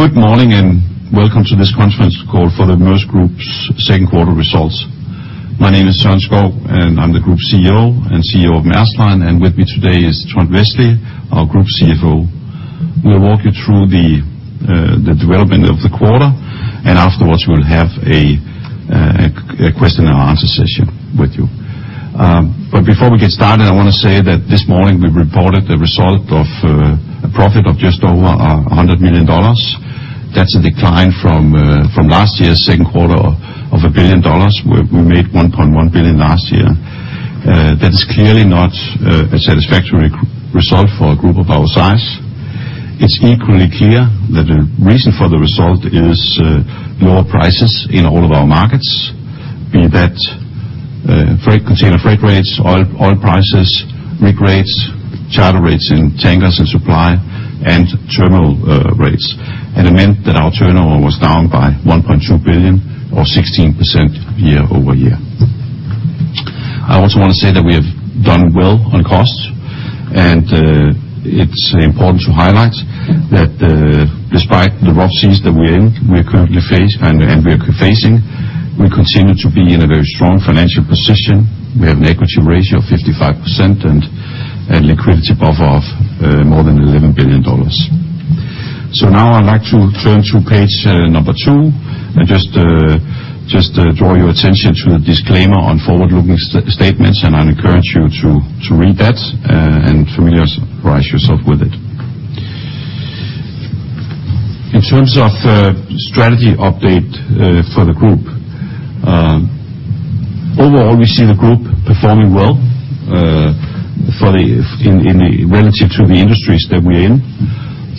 Good morning, and welcome to this Conference Call for the Maersk Group's Second Quarter Results. My name is Søren Skou, and I'm the group CEO and CEO of Maersk Line. With me today is Trond Westlie, our group CFO. We'll walk you through the development of the quarter, and afterwards, we'll have a question and answer session with you. Before we get started, I wanna say that this morning we reported the result of a profit of just over $100 million. That's a decline from last year's second quarter of $1 billion. We made $1.1 billion last year. That is clearly not a satisfactory result for a group of our size. It's equally clear that the reason for the result is, lower prices in all of our markets, be that, freight, container freight rates, oil prices, rig rates, charter rates in tankers and supply, and terminal rates. It meant that our turnover was down by $1.2 billion or 16% year-over-year. I also wanna say that we have done well on costs, and it's important to highlight that, despite the rough seas that we're in, we currently face and we are facing, we continue to be in a very strong financial position. We have an equity ratio of 55% and a liquidity buffer of more than $11 billion. Now I'd like to turn to page number two and just draw your attention to the disclaimer on forward-looking statements, and I'd encourage you to read that and familiarize yourself with it. In terms of strategy update for the group. Overall, we see the group performing well relative to the industries that we're in.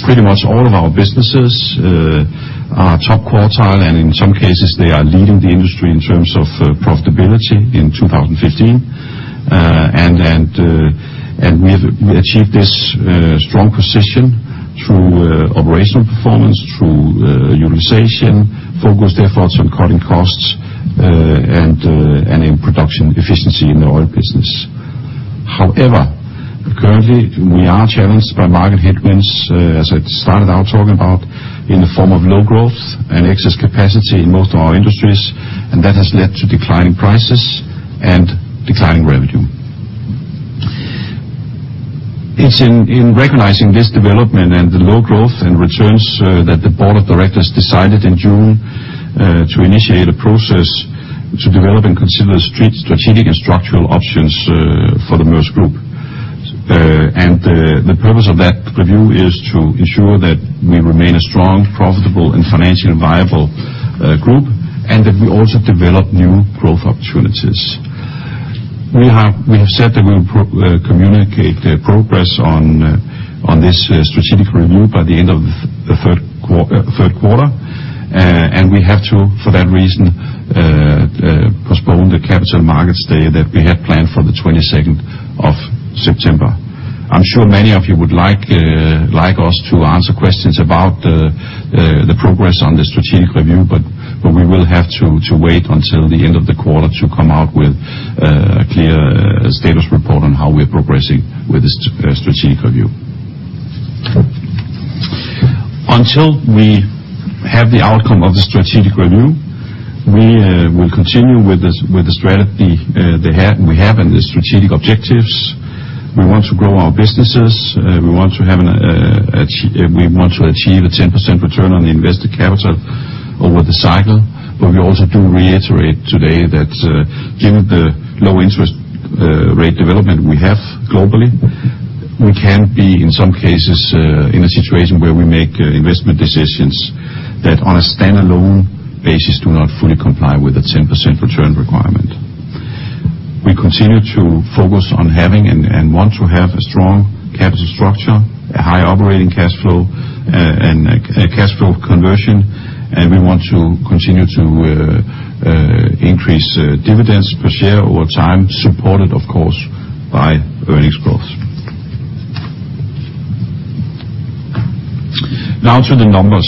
Pretty much all of our businesses are top quartile, and in some cases, they are leading the industry in terms of profitability in 2015. And we have achieved this strong position through operational performance, through utilization focused efforts on cutting costs, and in production efficiency in the oil business. However, currently, we are challenged by market headwinds, as I started out talking about, in the form of low growth and excess capacity in most of our industries, and that has led to declining prices and declining revenue. It's in recognizing this development and the low growth and returns that the board of directors decided in June to initiate a process to develop and consider strategic and structural options for the Maersk Group. The purpose of that review is to ensure that we remain a strong, profitable, and financially viable group, and that we also develop new growth opportunities. We have said that we will communicate the progress on this strategic review by the end of the third quarter. We have to, for that reason, postpone the Capital Markets Day that we had planned for the 22nd of September. I'm sure many of you would like us to answer questions about the progress on the strategic review, but we will have to wait until the end of the quarter to come out with a clear status report on how we're progressing with the strategic review. Until we have the outcome of the strategic review, we will continue with the strategy that we have and the strategic objectives. We want to grow our businesses. We want to achieve a 10% return on the invested capital over the cycle. We also do reiterate today that, given the low interest rate development we have globally, we can be, in some cases, in a situation where we make investment decisions that on a standalone basis do not fully comply with the 10% return requirement. We continue to focus on having and want to have a strong capital structure, a high operating cash flow, and a cash flow conversion, and we want to continue to increase dividends per share over time, supported of course, by earnings growth. Now to the numbers.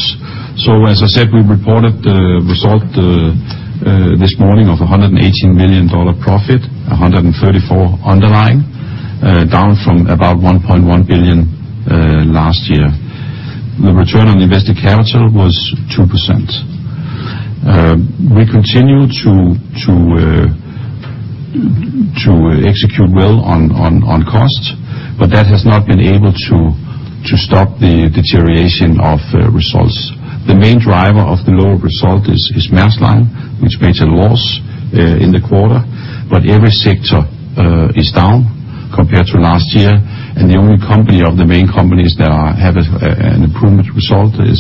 As I said, we reported the result this morning of a $118 million profit, a $134 million underlying, down from about $1.1 billion last year. The return on invested capital was 2%. We continue to execute well on costs, but that has not been able to stop the deterioration of results. The main driver of the lower result is Maersk Line, which made a loss in the quarter, but every sector is down compared to last year. The only company of the main companies that have an improved result is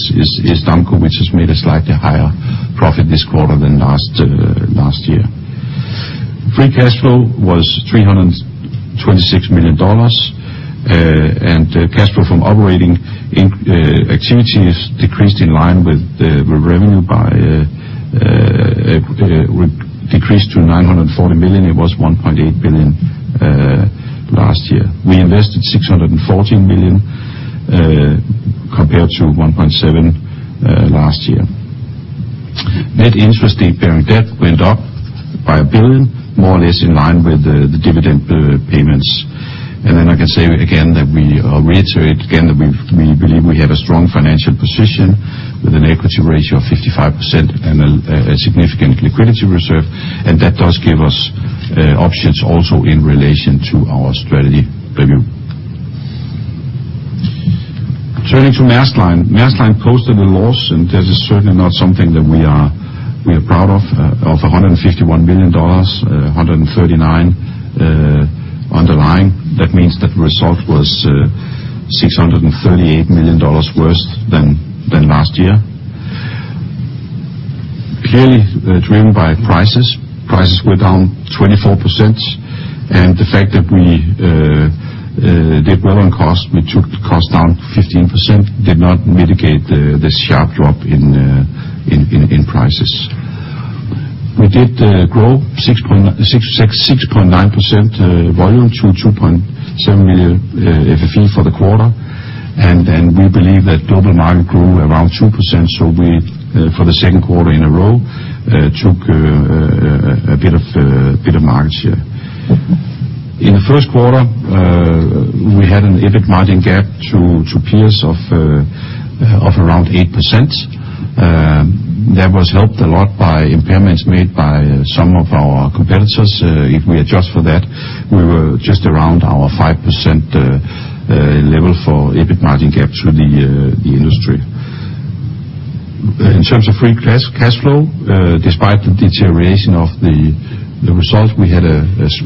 Damco, which has made a slightly higher profit this quarter than last year. Free cash flow was $326 million, and cash flow from operating activities decreased in line with the revenue, decreased to $940 million. It was $1.8 billion last year. We invested $614 million compared to $1.7 billion last year. Net interest-bearing debt went up by $1 billion, more or less in line with the dividend payments. I can say that we reiterate that we believe we have a strong financial position with an equity ratio of 55% and a significant liquidity reserve. That does give us options also in relation to our strategy review. Turning to Maersk Line. Maersk Line posted a loss, and this is certainly not something that we are proud of, $151 billion, $139 underlying. That means that the result was $638 million worse than last year. Clearly, driven by prices. Prices were down 24%. The fact that we did well on costs, we took costs down 15%, did not mitigate the sharp drop in prices. We did grow 6.9% volume to 2.7 million FFE for the quarter. We believe that global market grew around 2%. We, for the second quarter in a row, took a bit of market share. In the first quarter, we had an EBIT margin gap to peers of around 8%. That was helped a lot by impairments made by some of our competitors. If we adjust for that, we were just around our 5% level for EBIT margin gap to the industry. In terms of free cash flow, despite the deterioration of the results, we had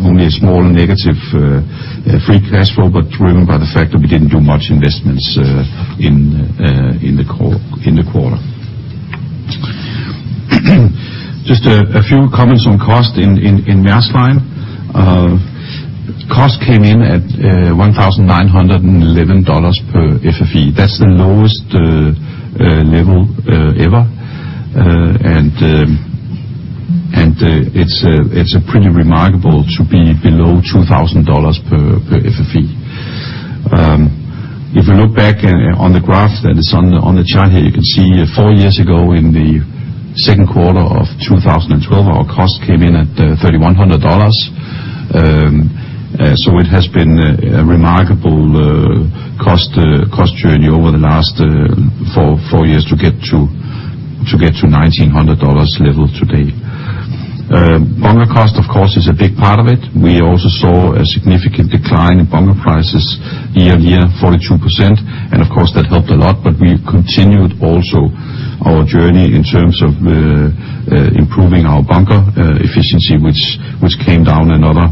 only a small negative free cash flow, but driven by the fact that we didn't do much investments in the quarter. Just a few comments on cost in Maersk Line. Cost came in at $1,911 per FFE. That's the lowest level ever. And it's a pretty remarkable to be below $2,000 per FFE. If you look back on the graph that is on the chart here, you can see four years ago, in the second quarter of 2012, our cost came in at $3,100. It has been a remarkable cost journey over the last four years to get to $1,900 level today. Bunker cost of course is a big part of it. We also saw a significant decline in bunker prices year-on-year, 42%. Of course that helped a lot, but we continued also our journey in terms of improving our bunker efficiency, which came down another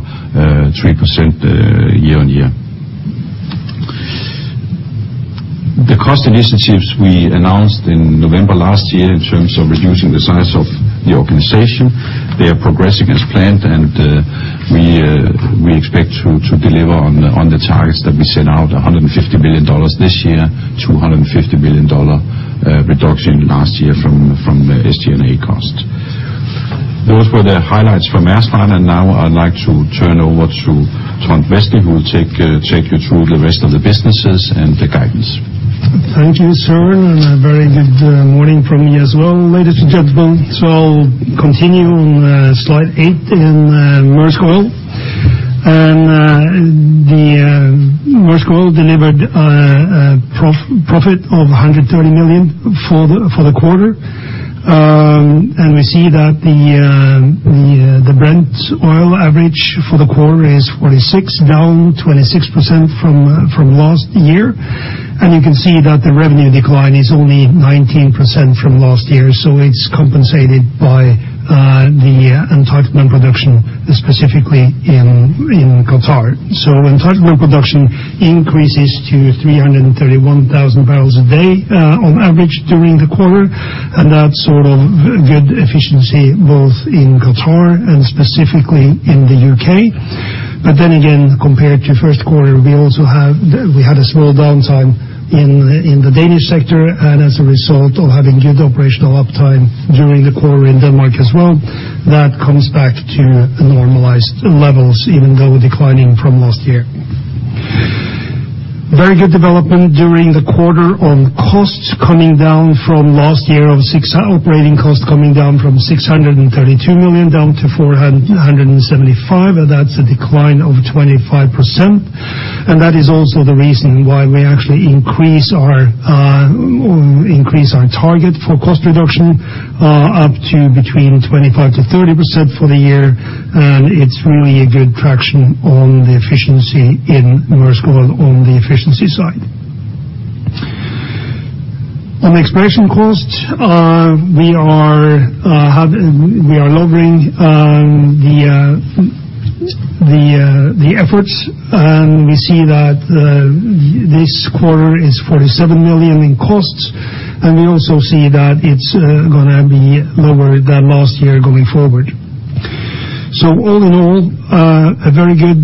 3% year-on-year. The cost initiatives we announced in November last year in terms of reducing the size of the organization, they are progressing as planned, and we expect to deliver on the targets that we set out, $150 billion this year, $250 billion dollar reduction last year from the SG&A cost. Those were the highlights for Maersk Line, and now I'd like to turn over to Trond Westlie, who will take you through the rest of the businesses and the guidance. Thank you, Søren, and a very good morning from me as well, ladies and gentlemen. I'll continue on slide eight in Maersk Oil. The Brent oil average for the quarter is $46, down 26% from last year. You can see that the revenue decline is only 19% from last year, so it's compensated by the entitlement production, specifically in Qatar. Entitlement production increases to 331,000 barrels a day on average during the quarter, and that's sort of good efficiency both in Qatar and specifically in the UK. Compared to first quarter, we had a small downtime in the Danish sector, and as a result of having good operational uptime during the quarter in Denmark as well, that comes back to normalized levels, even though declining from last year. Very good development during the quarter on operating costs coming down from $632 million last year, down to $475 million, and that's a decline of 25%. That is also the reason why we actually increase our target for cost reduction up to between 25%-30% for the year. It's really a good traction on the efficiency in Maersk Oil on the efficiency side. On exploration costs, we are lowering the efforts, and we see that this quarter is $47 million in costs, and we also see that it's gonna be lower than last year going forward. All in all, a very good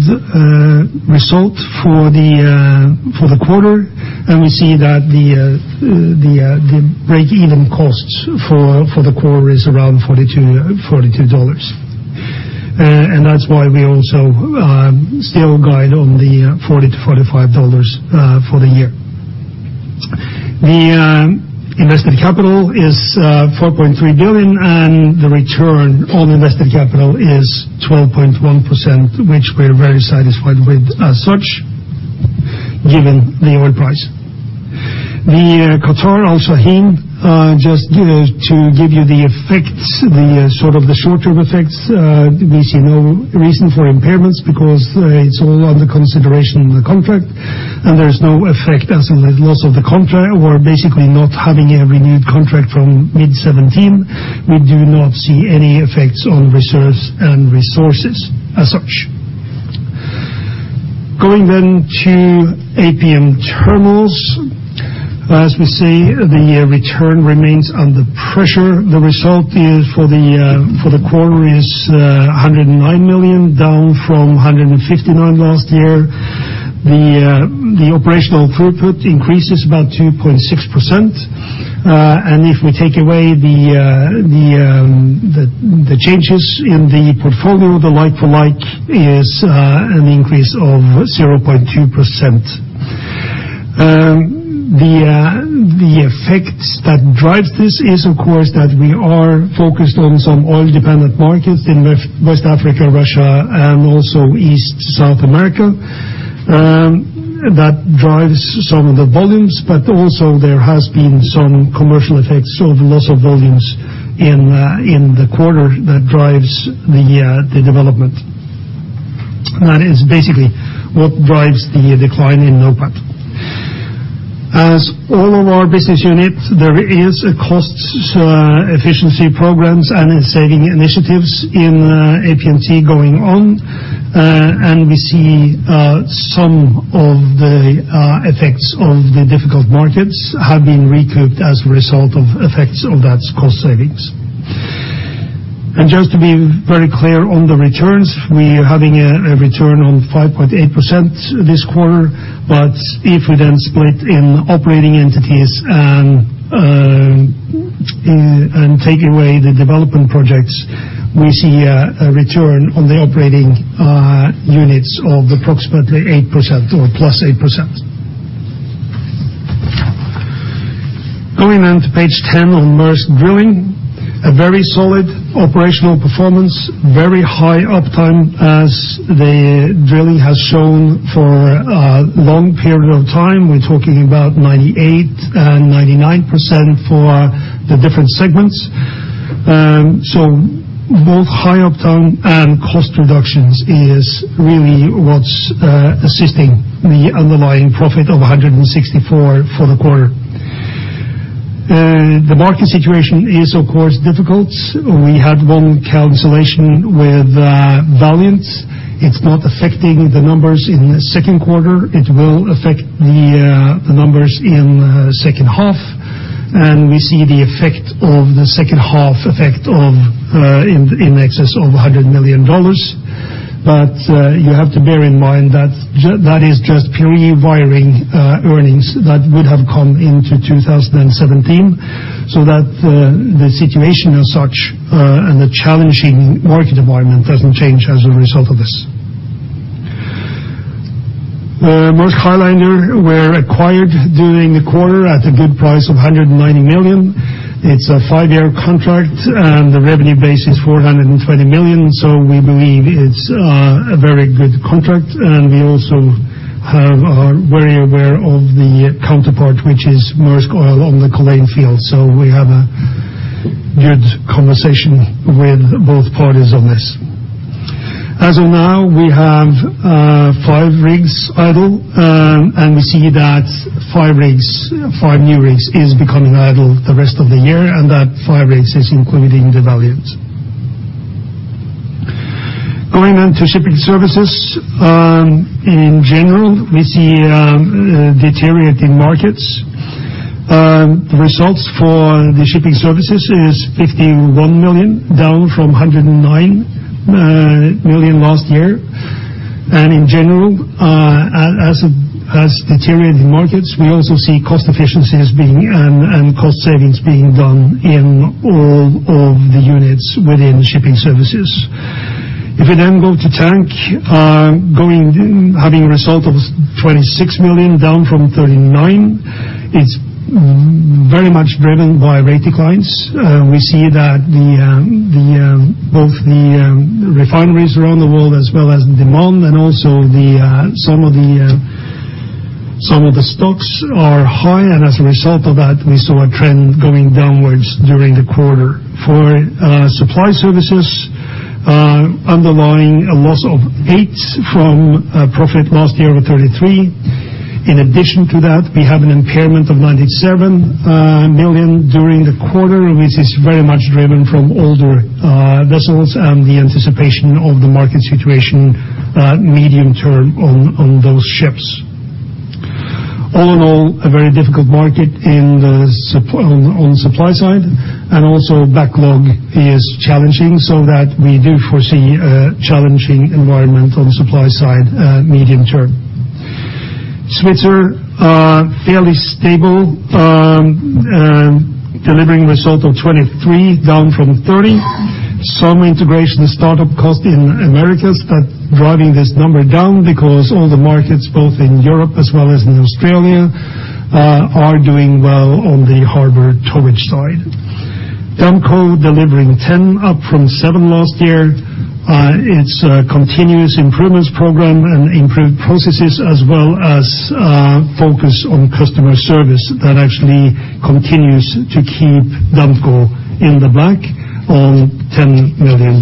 result for the quarter. We see that the break-even costs for the quarter is around $42. That's why we also still guide on the $40-$45 for the year. The investment capital is $4.3 billion, and the return on invested capital is 12.1%, which we're very satisfied with as such, given the oil price. The Qatar Al Shaheen, just, you know, to give you the effects, the sort of short-term effects, we see no reason for impairments because it's all under consideration in the contract, and there's no effect as a loss of the contract. We're basically not having a renewed contract from mid-2017. We do not see any effects on reserves and resources as such. APM Terminals. As we see, the return remains under pressure. The result for the quarter is $109 million, down from $159 million last year. The operational throughput increases about 2.6%. And if we take away the changes in the portfolio, the like-for-like is an increase of 0.2%. The effects that drives this is, of course, that we are focused on some oil-dependent markets in West Africa, Russia, and also East South America. That drives some of the volumes, but also there has been some commercial effects of loss of volumes in the quarter that drives the development. It's basically what drives the decline in NOPAT. In all of our business units, there is a cost efficiency programs and saving initiatives in APMT going on. We see some of the effects of the difficult markets have been recouped as a result of effects of that cost savings. Just to be very clear on the returns, we're having a return on 5.8% this quarter. If we then split in operating entities and and take away the development projects, we see a return on the operating units of approximately 8% or +8%. Going on to page 10 on Maersk Drilling. A very solid operational performance, very high uptime as the drilling has shown for a long period of time. We're talking about 98% and 99% for the different segments. So both high uptime and cost reductions is really what's assisting the underlying profit of $164 for the quarter. The market situation is, of course, difficult. We had one cancellation with Maersk Valiant. It's not affecting the numbers in the second quarter. It will affect the numbers in the second half, and we see the effect of the second half in excess of $100 million. You have to bear in mind that that is just pre-writing earnings that would have come into 2017, so that the situation as such and the challenging market environment doesn't change as a result of this. The Maersk Highlander were acquired during the quarter at a good price of $190 million. It's a five year contract, and the revenue base is $420 million, so we believe it's a very good contract. We also are very aware of the counterpart, which is Maersk Oil on the Culzean Field. We have a good conversation with both parties on this. As of now, we have five rigs idle, and we see that five new rigs are becoming idle the rest of the year, and that five rigs includes the Valiant. Going on to Shipping Services. In general, we see deteriorating markets. The results for the Shipping Services are $51 million, down from $109 million last year. In general, as deteriorating markets, we also see cost efficiencies and cost savings being done in all of the units within Shipping Services. If we go to Maersk Tankers having a result of $26 million, down from $39 million, it's very much driven by rate declines. We see that both the refineries around the world as well as demand and also some of the stocks are high, and as a result of that, we saw a trend going downwards during the quarter. For Supply Services, underlying a loss of $8 million from a profit last year of $33 million. In addition to that, we have an impairment of $97 million during the quarter, which is very much driven from older vessels and the anticipation of the market situation medium term on those ships. All in all, a very difficult market on supply side, and also backlog is challenging so that we do foresee a challenging environment on supply side medium term. Svitzer fairly stable, delivering result of $23 million, down from $30 million. Some integration startup cost in Americas that driving this number down because all the markets, both in Europe as well as in Australia, are doing well on the harbor towage side. Damco delivering 10 up from seven last year. It's continuous improvements program and improved processes as well as focus on customer service that actually continues to keep Damco in the black on $10 million.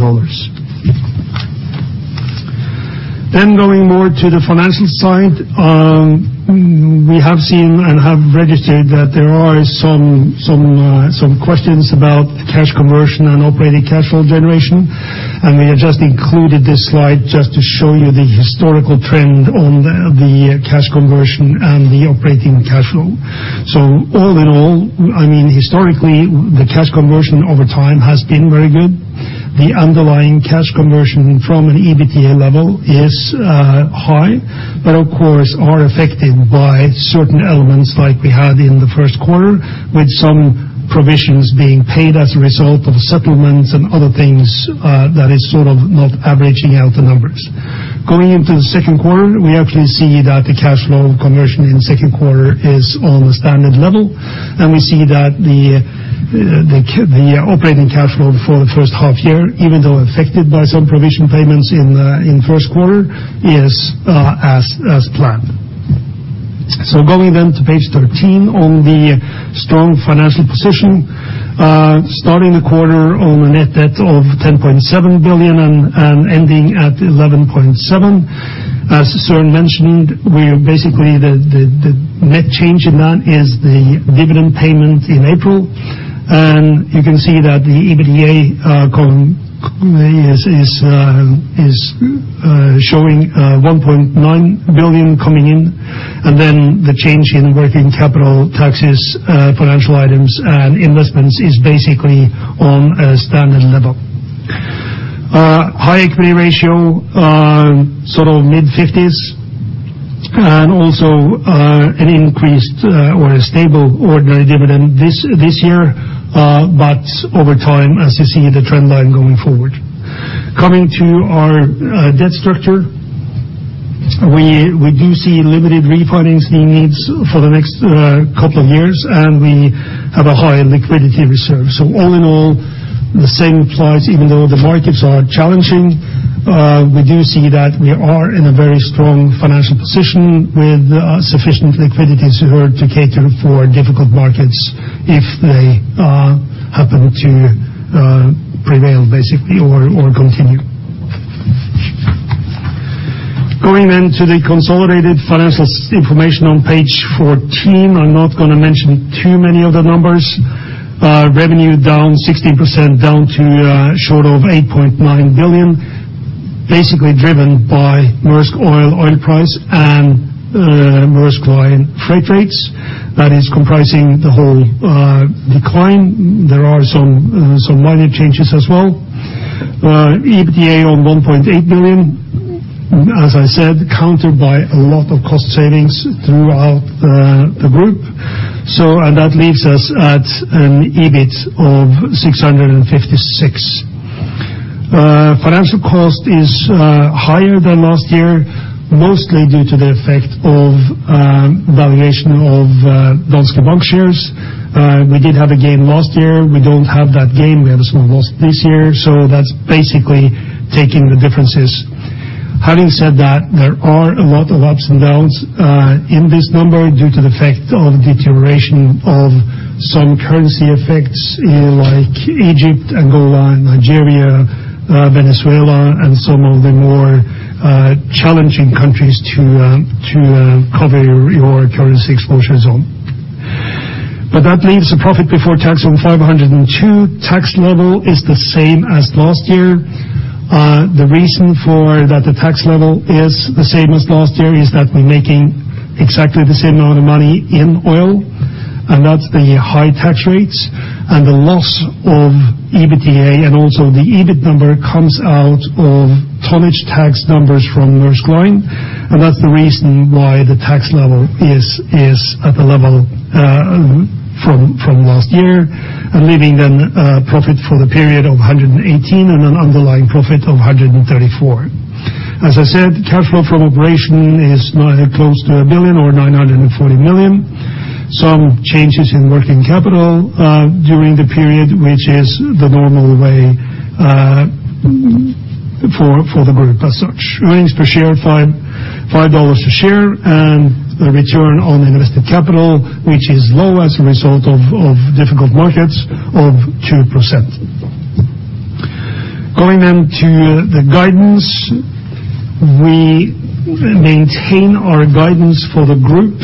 Going more to the financial side. We have seen and have registered that there are some questions about cash conversion and operating cash flow generation. We have just included this slide just to show you the historical trend on the cash conversion and the operating cash flow. All in all, I mean, historically, the cash conversion over time has been very good. The underlying cash conversion from an EBITDA level is high, but of course, are affected by certain elements like we had in the first quarter, with some provisions being paid as a result of settlements and other things, that is sort of not averaging out the numbers. Going into the second quarter, we actually see that the cash flow conversion in the second quarter is on the standard level, and we see that the operating cash flow for the first half year, even though affected by some provision payments in first quarter, is as planned. Going then to page 13 on the strong financial position. Starting the quarter on a net debt of $10.7 billion and ending at $11.7 billion. As Søren mentioned, we are basically the net change in that is the dividend payment in April. You can see that the EBITDA cumulatively is showing $1.9 billion coming in. Then the change in working capital taxes, financial items and investments is basically on a standard level. High equity ratio, sort of mid-50s%. Also, an increased or a stable ordinary dividend this year, but over time, as you see the trend line going forward. Coming to our debt structure, we do see limited refinancing needs for the next couple of years, and we have a high liquidity reserve. All in all, the same applies even though the markets are challenging. We do see that we are in a very strong financial position with sufficient liquidity reserve to cater for difficult markets if they happen to prevail basically or continue. Going into the consolidated financial statements on page 14. I'm not gonna mention too many of the numbers. Revenue down 16%, down to short of $8.9 billion, basically driven by Maersk Oil oil price and Maersk Line freight rates. That is comprising the whole decline. There are some minor changes as well. EBITDA on $1.8 billion, as I said, countered by a lot of cost savings throughout the group. And that leaves us at an EBIT of $656 million. Financial cost is higher than last year, mostly due to the effect of valuation of Danske Bank shares. We did have a gain last year. We don't have that gain. We have a small loss this year. That's basically taking the differences. Having said that, there are a lot of ups and downs in this number due to the effect of deterioration of some currency effects like Egypt, Angola, Nigeria, Venezuela and some of the more challenging countries to cover your currency exposures on. That leaves a profit before tax of $502. Tax level is the same as last year. The reason for that the tax level is the same as last year is that we're making exactly the same amount of money in oil, and that's the high tax rates and the loss of EBITDA and also the EBIT number comes out of tonnage tax numbers from Maersk Line, and that's the reason why the tax level is at the level from last year, and leaving then a profit for the period of $118 million and an underlying profit of $134 million. As I said, cash flow from operations is close to a billion or $940 million. Some changes in working capital during the period, which is the normal way for the group as such. Earnings per share $5.5 a share and the return on invested capital, which is low as a result of difficult markets, 2%. Going then to the guidance. We maintain our guidance for the group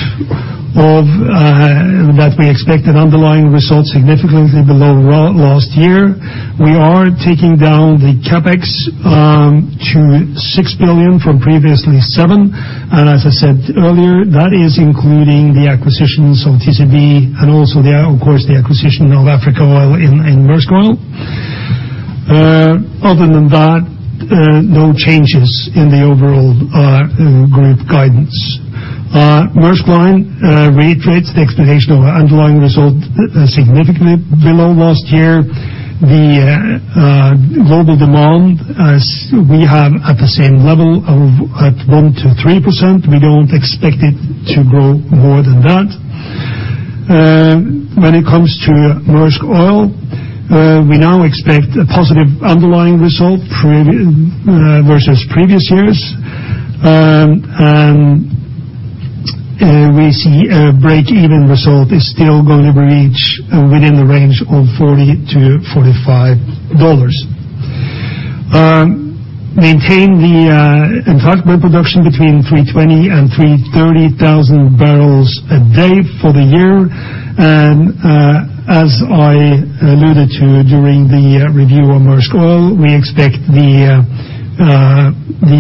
that we expect an underlying result significantly below last year. We are taking down the CapEx to $6 billion from previously $7 billion. As I said earlier, that is including the acquisitions of TCB and also, of course, the acquisition of Africa Oil in Maersk Oil. Other than that, no changes in the overall group guidance. Maersk Line reiterates the expectation of underlying result significantly below last year. The global demand we see at the same level of 1%-3%. We don't expect it to grow more than that. When it comes to Maersk Oil, we now expect a positive underlying result versus previous years. We see a break-even result is still going to reach within the range of $40-$45. Maintain the entire production between 320,000 and 330,000 barrels a day for the year. As I alluded to during the review on Maersk Oil, we expect the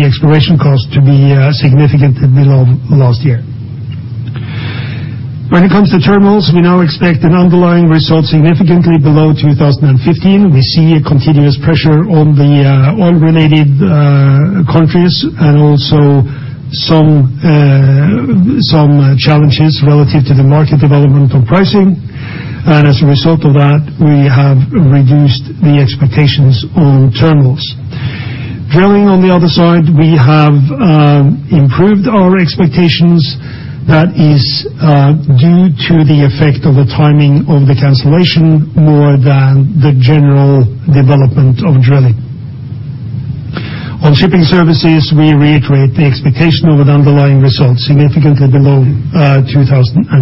exploration cost to be significantly below last year. When it comes to terminals, we now expect an underlying result significantly below 2015. We see a continuous pressure on the oil related countries and also some challenges relative to the market development of pricing. As a result of that, we have reduced the expectations on terminals. Drilling on the other side, we have improved our expectations. That is due to the effect of the timing of the cancellation more than the general development of drilling. On shipping services, we reiterate the expectation of an underlying result significantly below 2015.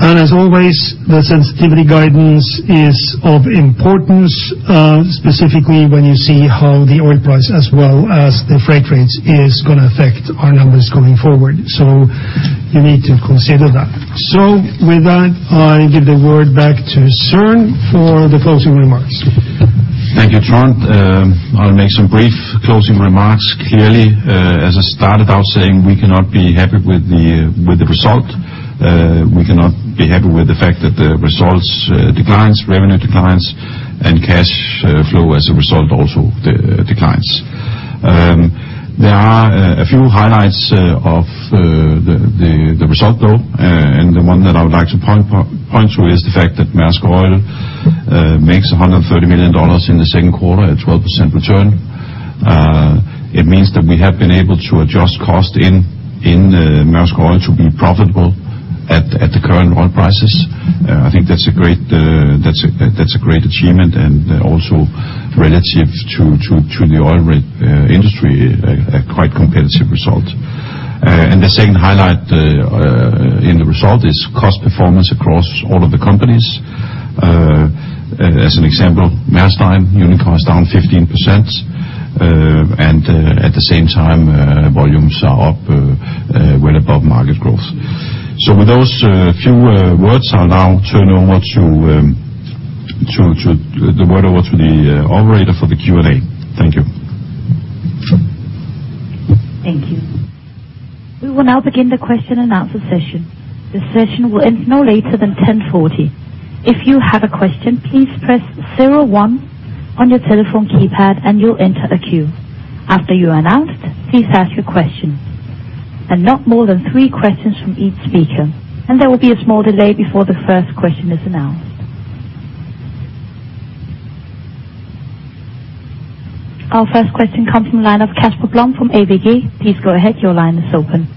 As always, the sensitivity guidance is of importance, specifically when you see how the oil price as well as the freight rates is gonna affect our numbers going forward. You need to consider that. With that, I give the word back to Søren for the closing remarks. Thank you, Trond. I'll make some brief closing remarks. Clearly, as I started out saying, we cannot be happy with the result. We cannot be happy with the fact that the results declines, revenue declines, and cash flow as a result also declines. There are a few highlights of the result though, and the one that I would like to point to is the fact that Maersk Oil makes $130 million in the second quarter, a 12% return. It means that we have been able to adjust cost in Maersk Oil to be profitable at the current oil prices. I think that's a great achievement and also relative to the oil industry, a quite competitive result. The second highlight in the result is cost performance across all of the companies. As an example, Maersk Line unit cost down 15%, and at the same time, volumes are up well above market growth. With those few words, I'll now turn over to the operator for the Q&A. Thank you. Thank you. We will now begin the question and answer session. This session will end no later than 10:40. If you have a question, please press zero one on your telephone keypad and you'll enter a queue. After you are announced, please ask your question. Not more than three questions from each speaker. There will be a small delay before the first question is announced. Our first question comes from the line of Casper Blom from ABG. Please go ahead, your line is open.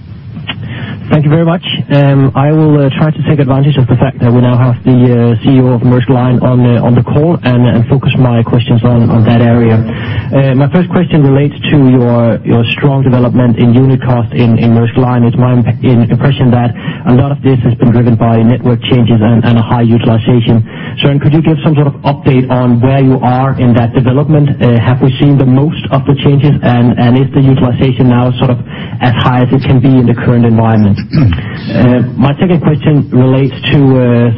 Thank you very much. I will try to take advantage of the fact that we now have the CEO of Maersk Line on the call and focus my questions on that area. My first question relates to your strong development in unit cost in Maersk Line. It's my impression that a lot of this has been driven by network changes and a high utilization. Could you give some sort of update on where you are in that development? Have we seen the most of the changes and is the utilization now sort of as high as it can be in the current environment? My second question relates to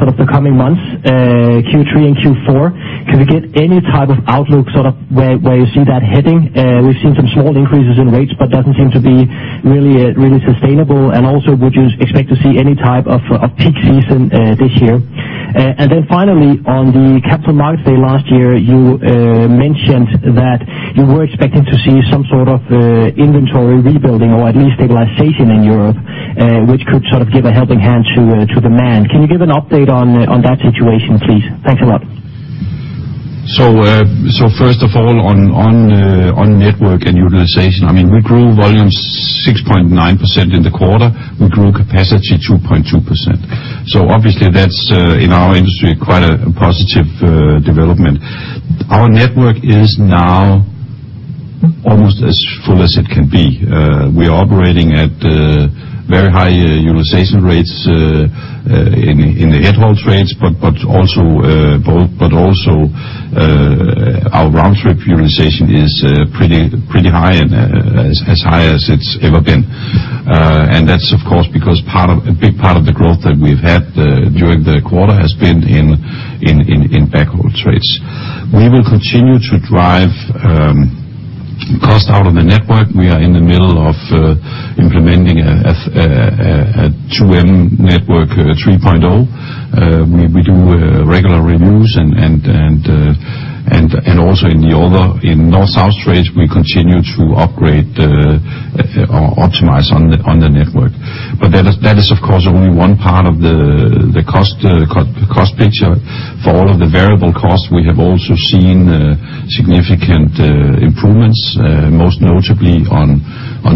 sort of the coming months, Q3 and Q4. Can we get any type of outlook, sort of where you see that heading? We've seen some small increases in rates, but doesn't seem to be really, really sustainable. Also, would you expect to see any type of peak season this year? Finally, on the Capital Markets Day last year, you mentioned that you were expecting to see some sort of inventory rebuilding or at least stabilization in Europe, which could sort of give a helping hand to demand. Can you give an update on that situation, please? Thanks a lot. First of all, on network and utilization, I mean, we grew volumes 6.9% in the quarter. We grew capacity 2.2%. Obviously that's in our industry quite a positive development. Our network is now almost as full as it can be. We are operating at very high utilization rates in the head haul trades, but also our round trip utilization is pretty high and as high as it's ever been. And that's of course because a big part of the growth that we've had during the quarter has been in backhaul trades. We will continue to drive cost out of the network. We are in the middle of implementing a 2M network 3.0. We do regular reviews and also in the other North-South trades, we continue to upgrade or optimize on the network. That is of course only one part of the cost picture. For all of the variable costs, we have also seen significant improvements most notably on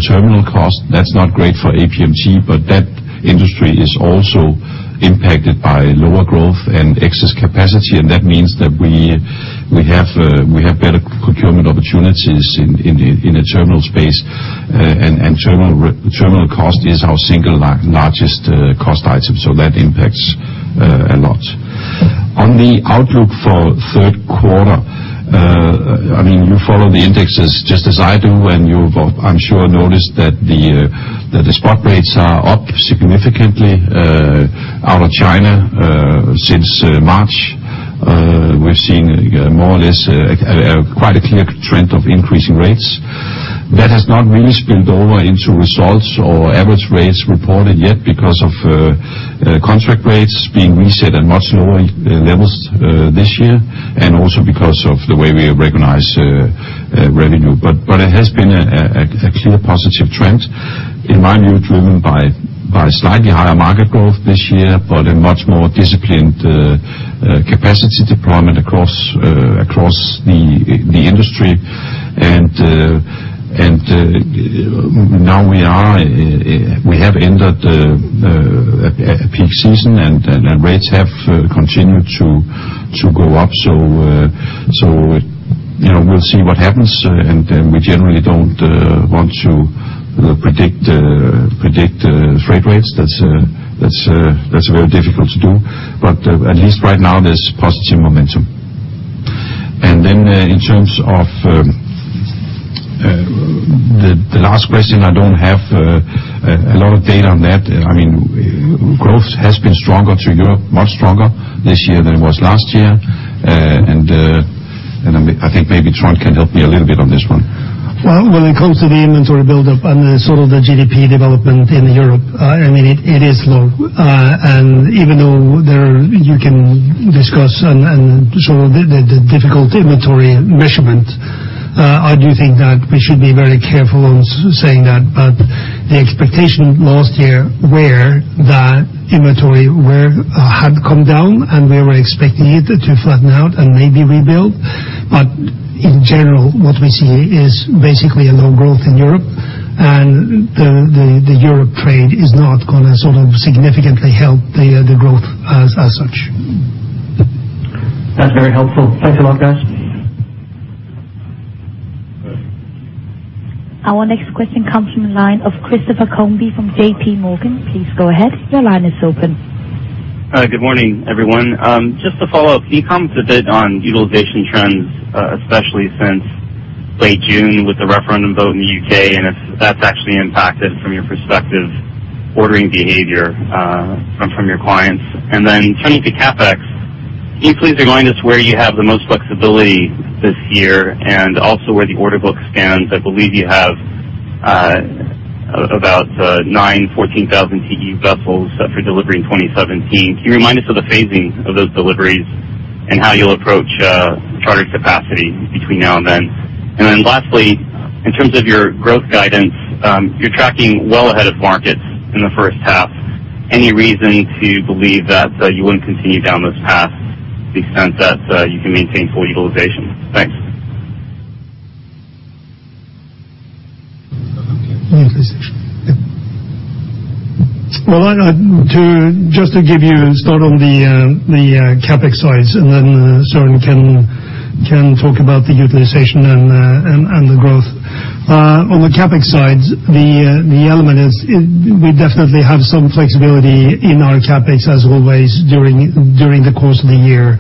terminals cost. That's not great for APMT, but that industry is also impacted by lower growth and excess capacity. That means that we have better procurement opportunities in the terminal space. Terminal cost is our single largest cost item. That impacts a lot. On the outlook for third quarter, I mean, you follow the indexes just as I do, and you've, I'm sure, noticed that the spot rates are up significantly out of China. Since March, we've seen more or less a quite clear trend of increasing rates. That has not really spilled over into results or average rates reported yet because of contract rates being reset at much lower levels this year, and also because of the way we recognize revenue. It has been a clear positive trend, in my view, driven by slightly higher market growth this year, but a much more disciplined capacity deployment across the industry. Now we have entered peak season and rates have continued to go up. You know, we'll see what happens. We generally don't want to predict freight rates. That's very difficult to do. At least right now, there's positive momentum. Then in terms of the last question, I don't have a lot of data on that. I mean, growth has been stronger to Europe, much stronger this year than it was last year. I think maybe Trond can help me a little bit on this one. Well, when it comes to the inventory build up and the sort of GDP development in Europe, I mean, it is low. Even though there you can discuss and show the difficult inventory measurement, I do think that we should be very careful on saying that. The expectation last year were that inventory had come down, and we were expecting it to flatten out and maybe rebuild. In general, what we see is basically a low growth in Europe. The Europe trade is not gonna sort of significantly help the growth as such. That's very helpful. Thanks a lot, guys. Our next question comes from the line of Christopher Combe from JPMorgan. Please go ahead. Your line is open. Good morning, everyone. Just to follow up, can you comment a bit on utilization trends, especially since late June with the referendum vote in the UK, and if that's actually impacted from your perspective, ordering behavior from your clients? Turning to CapEx, can you please remind us where you have the most flexibility this year and also where the order book stands? I believe you have about 914,000 TEU vessels up for delivery in 2017. Can you remind us of the phasing of those deliveries and how you'll approach charter capacity between now and then? Lastly, in terms of your growth guidance, you're tracking well ahead of markets in the first half. Any reason to believe that you wouldn't continue down this path to the extent that you can maintain full utilization? Thanks. Just to give you a start on the CapEx side, and then Søren can talk about the utilization and the growth. On the CapEx side, the element is we definitely have some flexibility in our CapEx as always during the course of the year.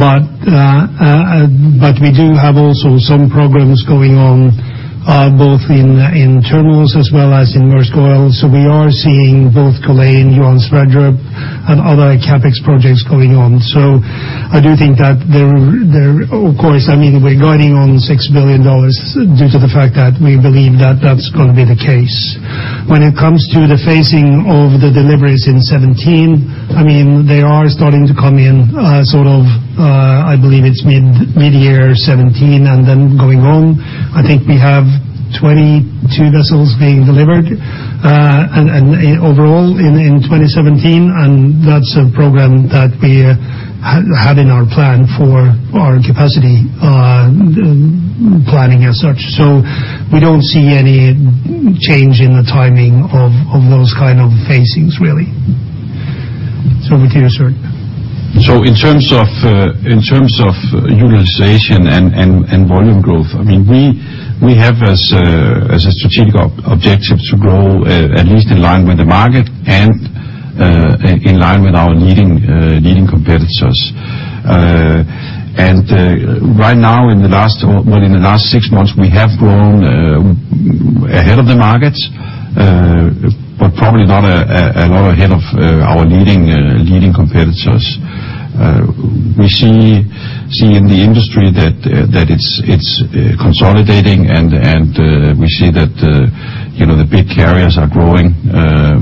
We do have also some programs going on both in terminals as well as in Maersk Oil. We are seeing both Culzean, Johan Sverdrup and other CapEx projects going on. I do think that there of course, I mean, we're guiding on $6 billion due to the fact that we believe that that's going to be the case. When it comes to the phasing of the deliveries in 2017, I mean, they are starting to come in, sort of, I believe it's mid-year 2017 and then going on. I think we have 22 vessels being delivered, and overall in 2017, and that's a program that we had in our plan for our capacity planning as such. We don't see any change in the timing of those kind of phasings really. Over to you, Søren. In terms of utilization and volume growth, I mean, we have as a strategic objective to grow at least in line with the market and in line with our leading competitors. Right now in the last, well, in the last six months, we have grown ahead of the markets, but probably not a lot ahead of our leading competitors. We see in the industry that it's consolidating and we see that, you know, the big carriers are growing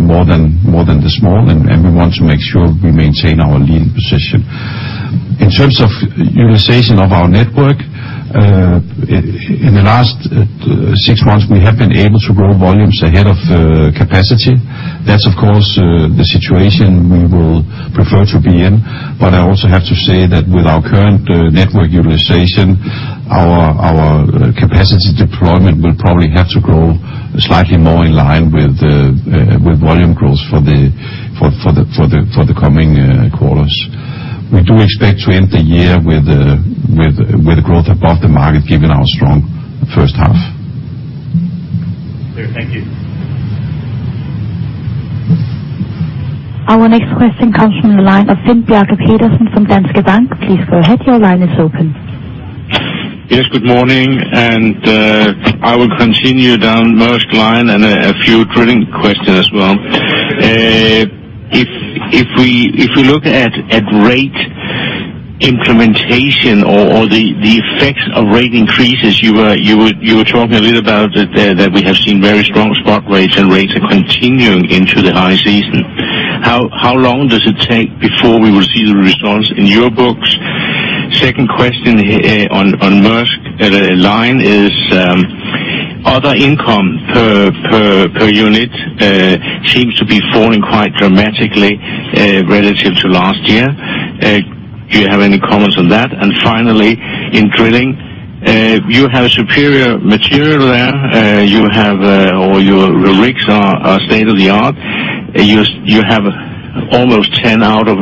more than the small. We want to make sure we maintain our leading position. In terms of utilization of our network, in the last 6 months, we have been able to grow volumes ahead of capacity. That's, of course, the situation we will prefer to be in. I also have to say that with our current network utilization, our capacity deployment will probably have to grow slightly more in line with volume growth for the coming quarters. We do expect to end the year with growth above the market given our strong first half. Clear. Thank you. Our next question comes from the line of Finn Bjarke Petersen from Danske Bank. Please go ahead. Your line is open. Yes, good morning. I will continue down Maersk Line and a few drilling questions as well. If we look at rate implementation or the effects of rate increases, you were talking a little about that we have seen very strong spot rates, and rates are continuing into the high season. How long does it take before we will see the results in your books? Second question on Maersk Line is other income per unit seems to be falling quite dramatically relative to last year. Do you have any comments on that? Finally, in drilling, you have superior material there, or your rigs are state of the art. You have almost 10 out of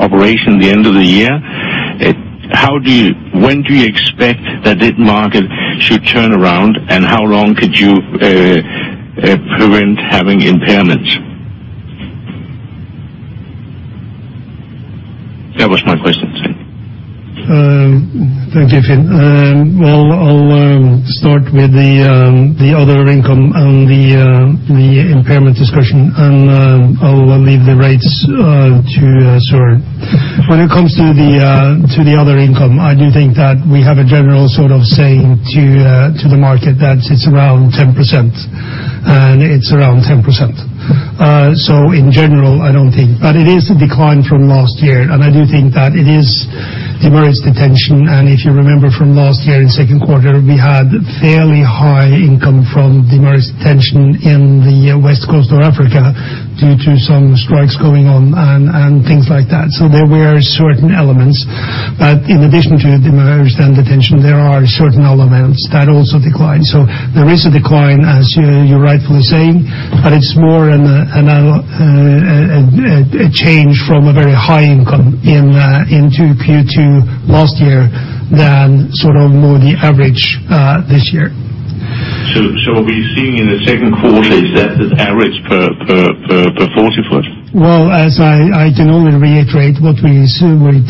operation at the end of the year. When do you expect that this market should turn around, and how long could you prevent having impairments? That was my question, thank you. Thank you, Finn. Well, I'll start with the other income and the impairment discussion, and I'll leave the rates to Søren. When it comes to the other income, I do think that we have a general sort of saying to the market that it's around 10%, and it's around 10%. In general, I don't think. It is a decline from last year, and I do think that it is demurrage and detention. If you remember from last year in second quarter, we had fairly high income from demurrage and detention in the West Coast of Africa due to some strikes going on and things like that. There were certain elements that in addition to demurrage and detention, there are certain elements that also declined. There is a decline, as you're rightfully saying, but it's more a change from a very high income into Q2 last year than sort of more the average this year. Are we seeing in the second quarter is that an average per forty foot? Well, I can only reiterate what we're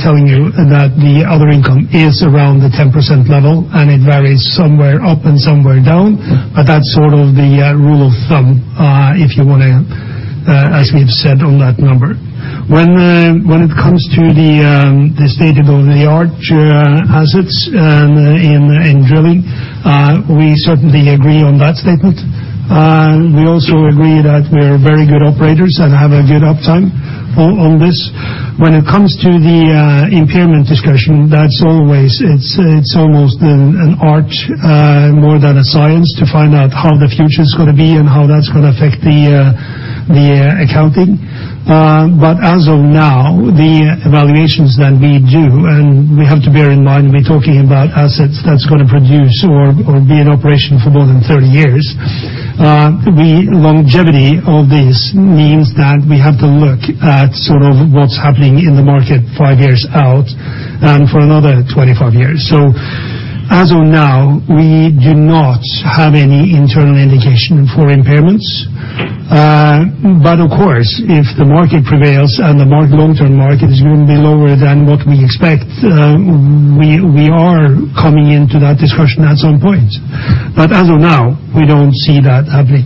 telling you, that the other income is around the 10% level, and it varies somewhere up and somewhere down. That's sort of the rule of thumb, if you wanna, as we've said on that number. When it comes to the state of the art assets in drilling, we certainly agree on that statement. We also agree that we're very good operators and have a good uptime on this. When it comes to the impairment discussion, that's always, it's almost an art more than a science to find out how the future's gonna be and how that's gonna affect the accounting. As of now, the evaluations that we do, and we have to bear in mind we're talking about assets that's gonna produce or be in operation for more than 30 years. The longevity of this means that we have to look at sort of what's happening in the market five years out and for another 25 years. As of now, we do not have any internal indication for impairments. Of course, if the market prevails and the long-term market is going to be lower than what we expect, we are coming into that discussion at some point. As of now, we don't see that happening.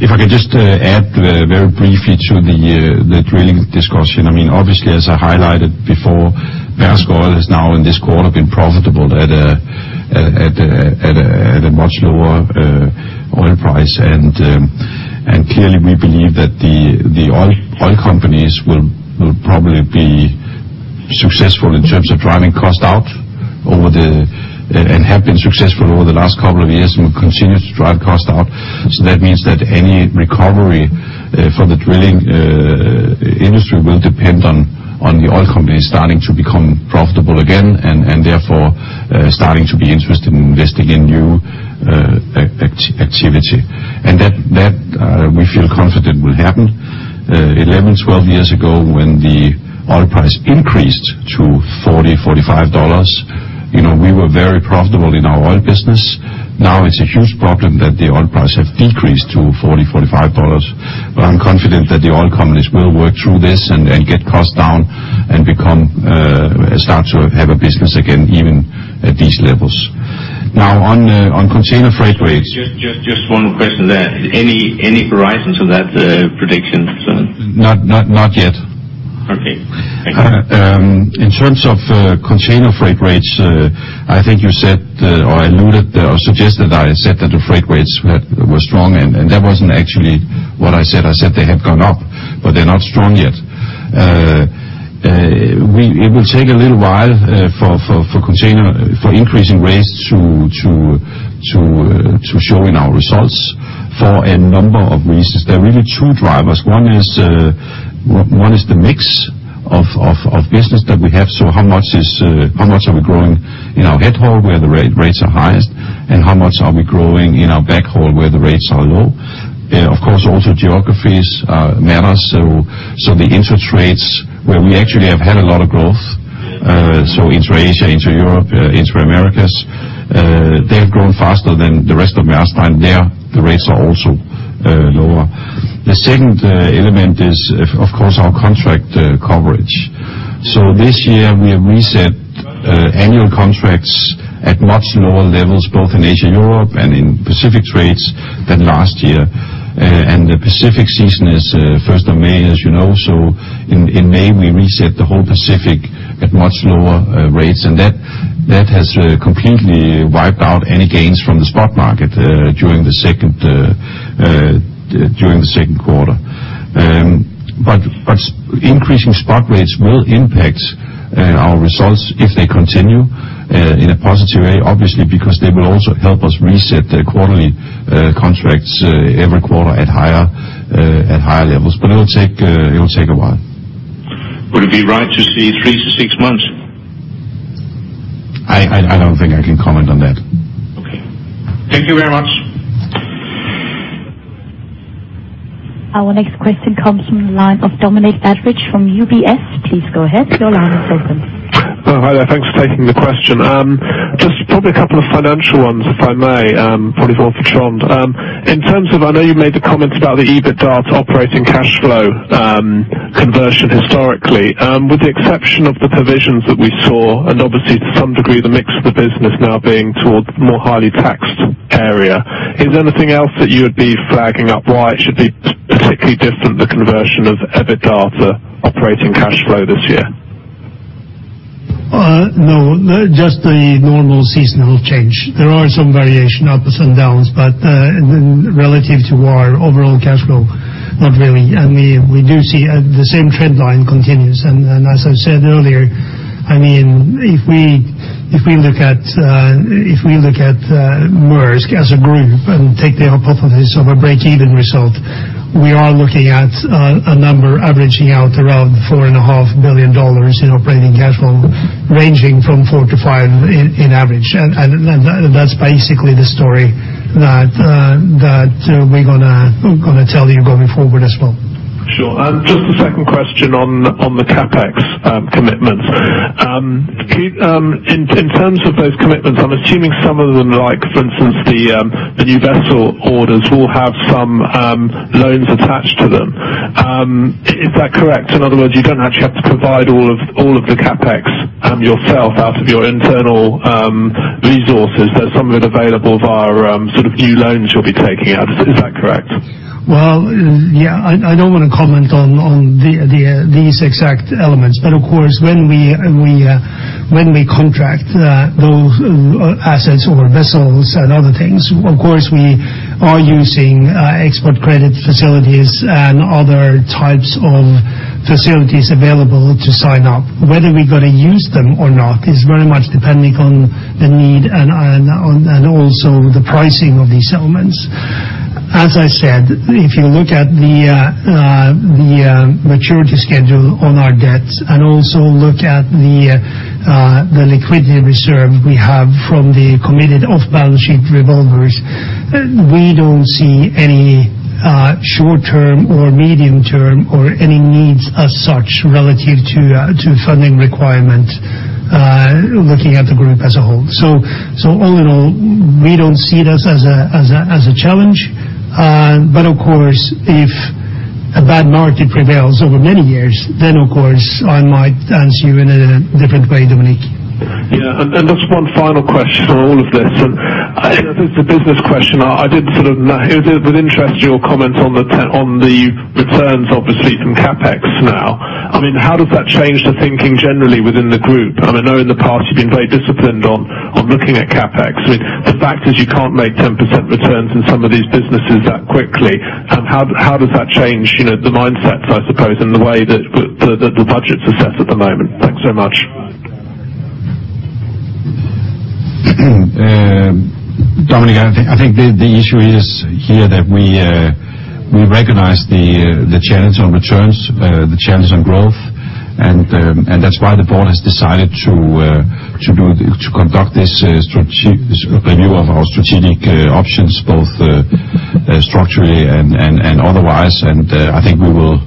If I could just add very briefly to the drilling discussion. I mean, obviously, as I highlighted before, Maersk Oil has now in this quarter been profitable at a much lower oil price. Clearly, we believe that the oil companies will probably be successful in terms of driving cost out and have been successful over the last couple of years and will continue to drive cost out. That means that any recovery for the drilling industry will depend on the oil companies starting to become profitable again and therefore starting to be interested in investing in new activity. That we feel confident will happen. 11-12 years ago, when the oil price increased to $40-$45, you know, we were very profitable in our oil business. Now it's a huge problem that the oil price have decreased to $40-$45. I'm confident that the oil companies will work through this and get costs down and start to have a business again, even at these levels. Now on container freight rates- Just one question there. Any horizon to that prediction, Søren? Not yet. Okay. Thank you. In terms of container freight rates, I think you said or alluded or suggested I said that the freight rates were strong, and that wasn't actually what I said. I said they have gone up. They're not strong yet. It will take a little while for container for increasing rates to show in our results for a number of reasons. There are really two drivers. One is the mix of business that we have. How much are we growing in our head haul, where the rates are highest? How much are we growing in our back haul, where the rates are low? Of course, also geographies matter. The inter trades where we actually have had a lot of growth. Inter-Asia, inter-Europe, inter-Americas, they've grown faster than the rest of Maersk Line. There the rates are also lower. The second element is, of course, our contract coverage. This year we have reset annual contracts at much lower levels, both in Asia and Europe and in Pacific trades than last year. The Pacific season is first of May, as you know. In May we reset the whole Pacific at much lower rates. That has completely wiped out any gains from the spot market during the second quarter. Increasing spot rates will impact our results if they continue in a positive way, obviously, because they will also help us reset the quarterly contracts every quarter at higher levels. It'll take a while. Would it be right to say 3-6 months? I don't think I can comment on that. Okay. Thank you very much. Our next question comes from the line of Dominic Sheridan from UBS. Please go ahead, your line is open. Oh, hi there. Thanks for taking the question. Just probably a couple of financial ones, if I may, probably more for Trond. In terms of, I know you made the comment about the EBITDA to operating cash flow, conversion historically. With the exception of the provisions that we saw, and obviously to some degree the mix of the business now being towards more highly taxed area, is there anything else that you would be flagging up why it should be particularly different, the conversion of EBITDA to operating cash flow this year? No, just the normal seasonal change. There are some variation, ups and downs, but, relative to our overall cash flow, not really. We do see the same trend line continues. As I said earlier, I mean, if we look at Maersk as a group and take the hypothesis of a break even result, we are looking at a number averaging out around $4.5 billion in operating cash flow, ranging from $4 billion-$5 billion in average. That's basically the story that we're gonna tell you going forward as well. Sure. Just a second question on the CapEx commitments. Can you in terms of those commitments, I'm assuming some of them, like for instance, the new vessel orders will have some loans attached to them. Is that correct? In other words, you don't actually have to provide all of the CapEx yourself out of your internal resources. That some of it available via sort of new loans you'll be taking out. Is that correct? Well, yeah, I don't want to comment on these exact elements. Of course, when we contract those assets or vessels and other things, of course, we are using export credit facilities and other types of facilities available to sign up. Whether we gonna use them or not is very much depending on the need and also the pricing of these elements. As I said, if you look at the maturity schedule on our debts and also look at the liquidity reserve we have from the committed off balance sheet revolvers, we don't see any short-term or medium-term or any needs as such relative to funding requirement looking at the group as a whole. All in all, we don't see this as a challenge. Of course, if a bad market prevails over many years, then of course I might answer you in a different way, Dominic. Yeah. Just one final question on all of this. This is a business question. I took with interest your comments on the returns obviously from CapEx now. I mean, how does that change the thinking generally within the group? I mean, I know in the past you've been very disciplined on looking at CapEx. I mean, the fact is you can't make 10% returns in some of these businesses that quickly. How does that change, you know, the mindsets, I suppose, and the way that the budgets are set at the moment? Thanks so much. Dominic, I think the issue is here that we recognize the challenge on returns, the challenge on growth. That's why the board has decided to conduct this strategic review of our strategic options, both structurally and otherwise. I think we will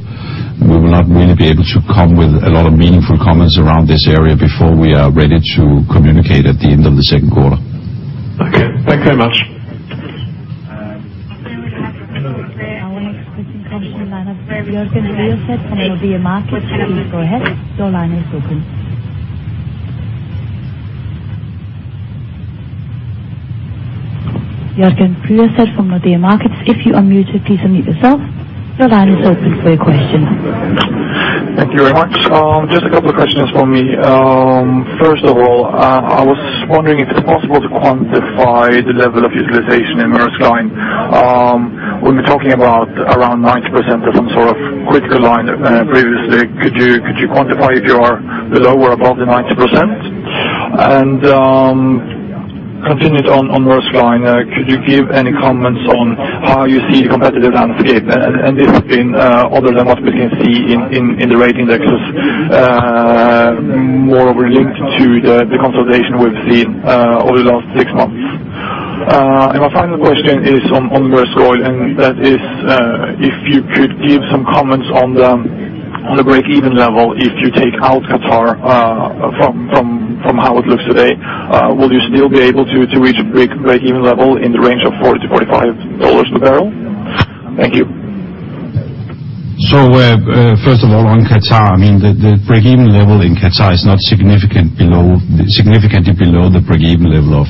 not really be able to come with a lot of meaningful comments around this area before we are ready to communicate at the end of the second quarter. Okay. Thank you very much. Our next question comes from the line of Jörgen Piersma from Nordea Markets. Please go ahead. Your line is open. Jörgen Piersma from Nordea Markets, if you're muted, please unmute yourself. Your line is open for your questions. Thank you very much. Just a couple of questions for me. First of all, I was wondering if it's possible to quantify the level of utilization in Maersk Line. When we're talking about around 90% of some sort of critical lane, previously, could you quantify if you are below or above the 90%? Continued on Maersk Line, could you give any comments on how you see the competitive landscape? This has been, other than what we can see in the rate indexes, moreover linked to the consolidation we've seen over the last six months. My final question is on Maersk Oil, and that is, if you could give some comments on the breakeven level, if you take out Qatar, from how it looks today, will you still be able to reach a breakeven level in the range of $40-$45 per barrel? Thank you. First of all, on Qatar, I mean the breakeven level in Qatar is not significantly below the breakeven level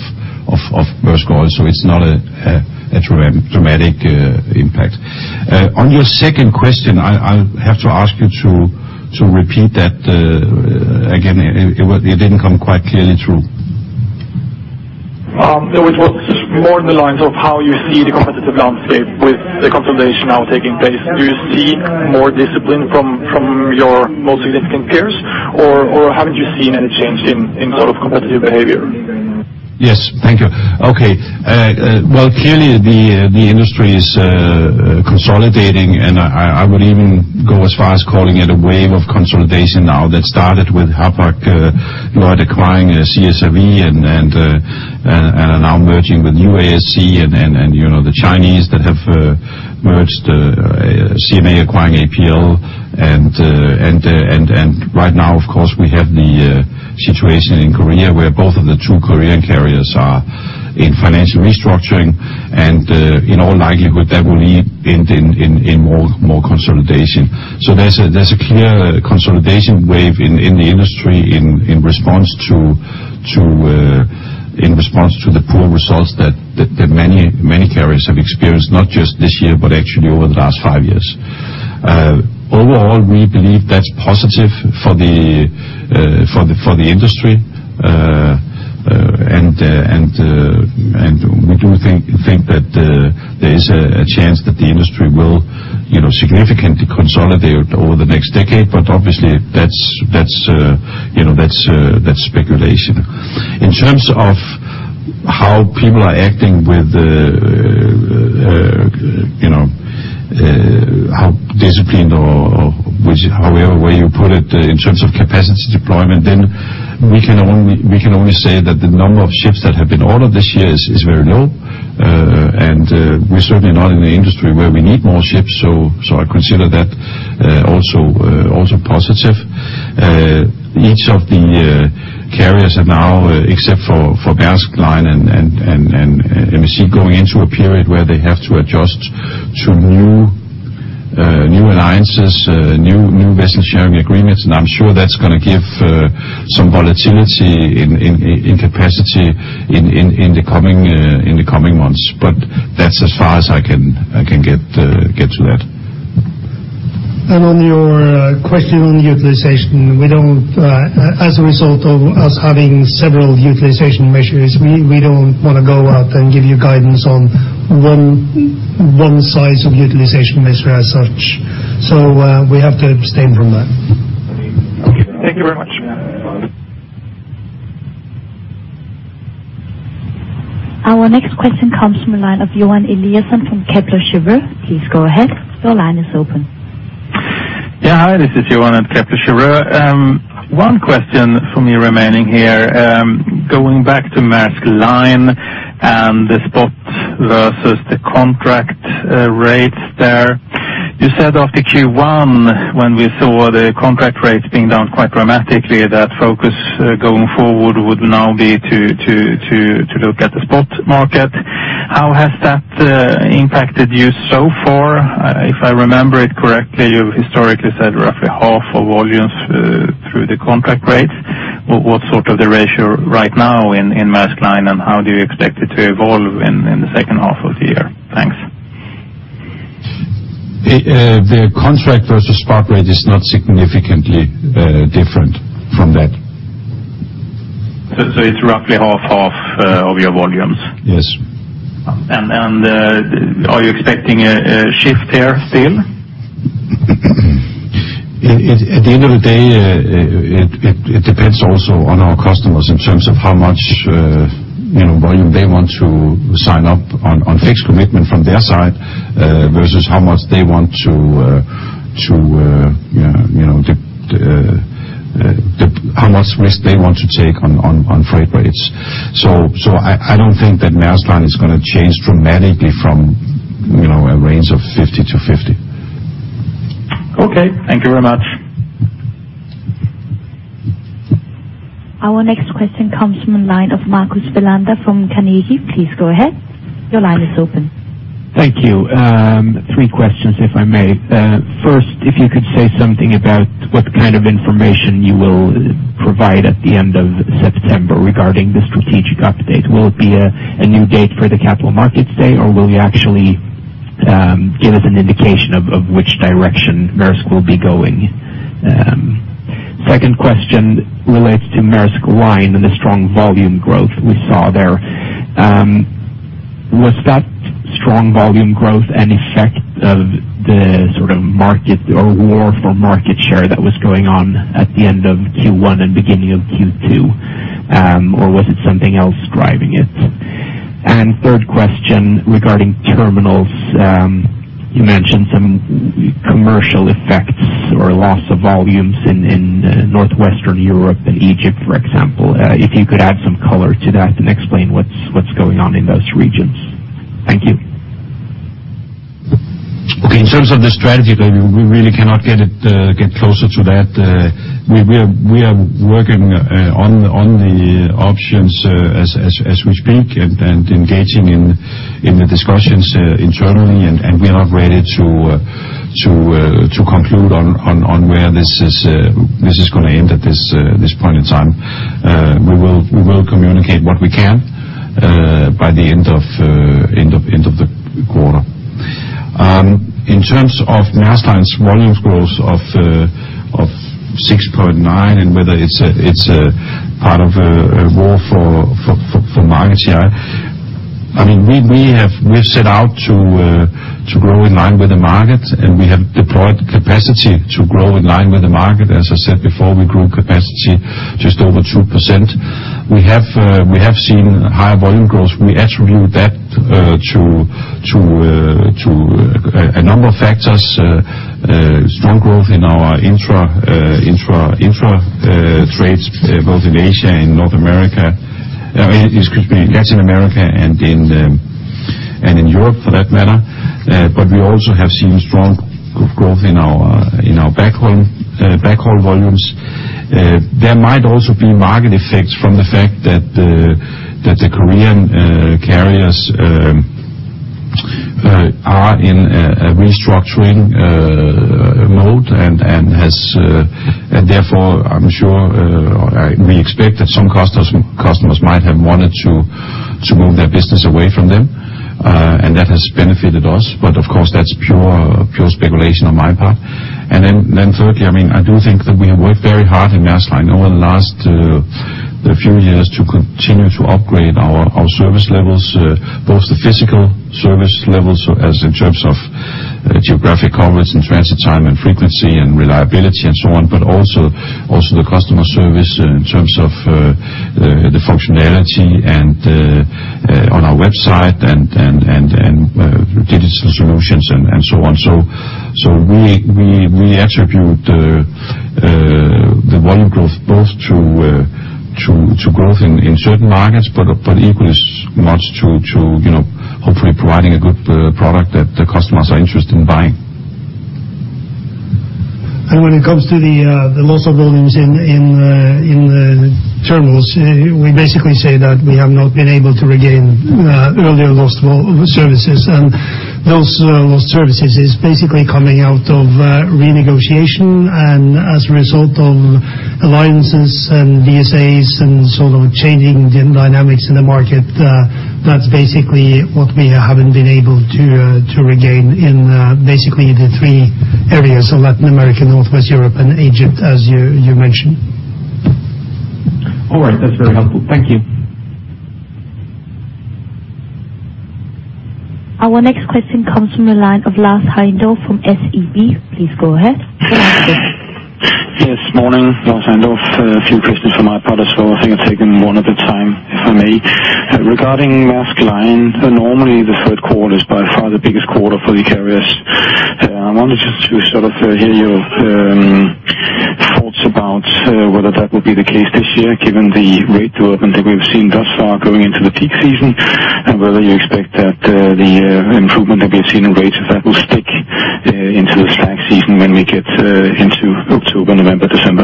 of Maersk Oil, so it's not a dramatic impact. On your second question, I'll have to ask you to repeat that again. It didn't come quite clearly through. It was more on the lines of how you see the competitive landscape with the consolidation now taking place. Do you see more discipline from your most significant peers? Or haven't you seen any change in sort of competitive behavior? Yes. Thank you. Okay. Well, clearly the industry is consolidating, and I would even go as far as calling it a wave of consolidation now that started with Hapag-Lloyd acquiring CSAV and now merging with UASC and, you know, the Chinese that have merged, CMA acquiring APL. And right now, of course, we have the situation in Korea, where both of the two Korean carriers are in financial restructuring, and in all likelihood that will lead to more consolidation. There's a clear consolidation wave in the industry in response to the poor results that many carriers have experienced, not just this year, but actually over the last five years. Overall, we believe that's positive for the industry. We do think that there is a chance that the industry will, you know, significantly consolidate over the next decade. Obviously that's, you know, that's speculation. In terms of how people are acting with the, you know, how disciplined or which however way you put it in terms of capacity deployment, then we can only say that the number of ships that have been ordered this year is very low. We're certainly not in an industry where we need more ships, so I consider that also positive. Each of the carriers are now, except for Maersk Line and MSC, going into a period where they have to adjust to new alliances, new vessel sharing agreements, and I'm sure that's gonna give some volatility in capacity in the coming months. That's as far as I can get to that. On your question on utilization, we don't, as a result of us having several utilization measures, we don't wanna go out and give you guidance on one size of utilization measure as such. We have to abstain from that. Thank you very much. Our next question comes from the line of Johan Eliason from Kepler Cheuvreux. Please go ahead. Your line is open. Yeah. Hi, this is Johan at Kepler Cheuvreux. One question for me remaining here. Going back to Maersk Line and the spot versus the contract rates there. You said after Q1, when we saw the contract rates being down quite dramatically, that focus going forward would now be to look at the spot market. How has that impacted you so far? If I remember it correctly, you historically said roughly half of volumes through the contract rates. What's sort of the ratio right now in Maersk Line, and how do you expect it to evolve in the second half of the year? Thanks. The contract versus spot rate is not significantly different from that. It's roughly 50/50 of your volumes? Yes. Are you expecting a shift there still? At the end of the day, it depends also on our customers in terms of how much, you know, volume they want to sign up on fixed commitment from their side, versus how much they want to, you know, how much risk they want to take on freight rates. I don't think that Maersk Line is gonna change dramatically from, you know, a range of 50-50. Okay. Thank you very much. Our next question comes from the line of Marcus Bellander from Carnegie. Please go ahead. Your line is open. Thank you. Three questions if I may. First, if you could say something about what kind of information you will provide at the end of September regarding the strategic update. Will it be a new date for the Capital Markets Day, or will you actually give us an indication of which direction Maersk will be going? Second question relates to Maersk Line and the strong volume growth we saw there. Was that strong volume growth an effect of the sort of market or war for market share that was going on at the end of Q1 and beginning of Q2, or was it something else driving it? Third question regarding terminals. You mentioned some non-commercial effects or loss of volumes in Northwestern Europe and Egypt, for example. If you could add some color to that and explain what's going on in those regions. Thank you. Okay. In terms of the strategy, we really cannot get closer to that. We are working on the options as we speak and engaging in the discussions internally. We are not ready to conclude on where this is gonna end at this point in time. We will communicate what we can by the end of the quarter. In terms of Maersk Line's volume growth of 6.9% and whether it's a part of a war for market share. I mean, we have set out to grow in line with the market, and we have deployed capacity to grow in line with the market. As I said before, we grew capacity just over 2%. We have seen higher volume growth. We attribute that to a number of factors. Strong growth in our intra trades, excuse me, in Latin America and in Europe for that matter. We also have seen strong growth in our backhaul volumes. There might also be market effects from the fact that the Korean carriers are in a restructuring mode and therefore I'm sure or we expect that some customers might have wanted to move their business away from them and that has benefited us. Of course, that's pure speculation on my part. Thirdly, I mean, I do think that we have worked very hard in Maersk Line over the last few years to continue to upgrade our service levels, both the physical service levels in terms of geographic coverage and transit time and frequency and reliability and so on, but also the customer service in terms of the functionality and on our website and digital solutions and so on. We attribute the volume growth both to growth in certain markets, but equally as much to, you know, hopefully providing a good product that the customers are interested in buying. When it comes to the loss of volumes in the terminals, we basically say that we have not been able to regain earlier lost services. Those lost services is basically coming out of renegotiation and as a result of alliances and VSAs and sort of changing the dynamics in the market. That's basically what we haven't been able to regain in basically the three areas of Latin America, Northwest Europe and Egypt, as you mentioned. All right. That's very helpful. Thank you. Our next question comes from the line of Lars Heindorff from SEB. Please go ahead. Good morning. Lars Heindorff. A few questions from my part as well. I think I'll take them one at a time, if I may. Regarding Maersk Line, normally the third quarter is by far the biggest quarter for the carriers. I wanted just to sort of hear your thoughts about whether that would be the case this year, given the rate development that we've seen thus far going into the peak season, and whether you expect that the improvement that we've seen in rates if that will stick into the slack season when we get into October, November, December.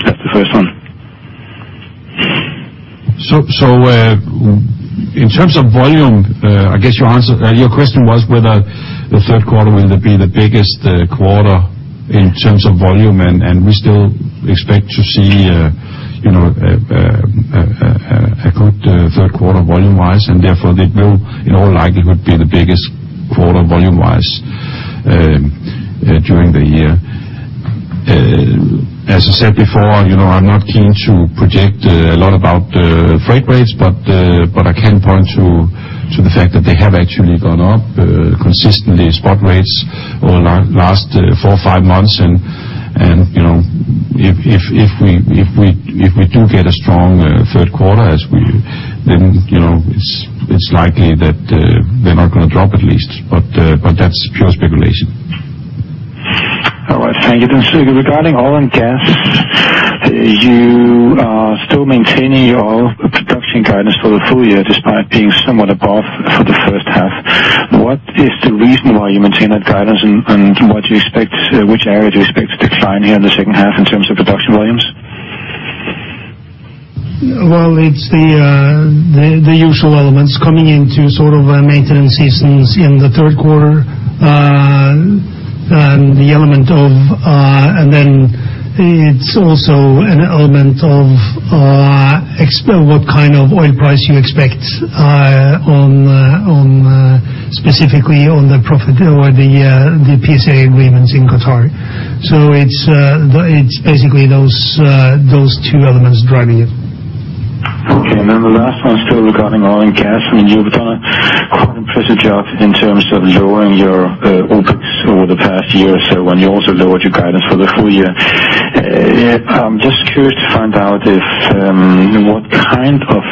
That's the first one. In terms of volume, I guess your answer, your question was whether the third quarter will be the biggest quarter in terms of volume, and we still expect to see, you know, a good third quarter volume-wise, and therefore it will in all likelihood be the biggest quarter volume-wise during the year. As I said before, you know, I'm not keen to project a lot about freight rates, but I can point to the fact that they have actually gone up consistently, spot rates over the last four, five months. You know, if we do get a strong third quarter as we then, you know, it's likely that they're not gonna drop, at least, but that's pure speculation. All right. Thank you. Søren, regarding oil and gas, you are still maintaining your production guidance for the full year, despite being somewhat above for the first half. What is the reason why you maintain that guidance and what do you expect, which area do you expect to decline here in the second half in terms of production volumes? Well, it's the usual elements coming into sort of maintenance seasons in the third quarter. It's also an element of what kind of oil price you expect on. Specifically on the profit or the PSA agreements in Qatar. It's basically those two elements driving it. Okay. The last one still regarding oil and gas. I mean, you've done a quite impressive job in terms of lowering your OpEx over the past year or so, and you also lowered your guidance for the full year. I'm just curious to find out what kind of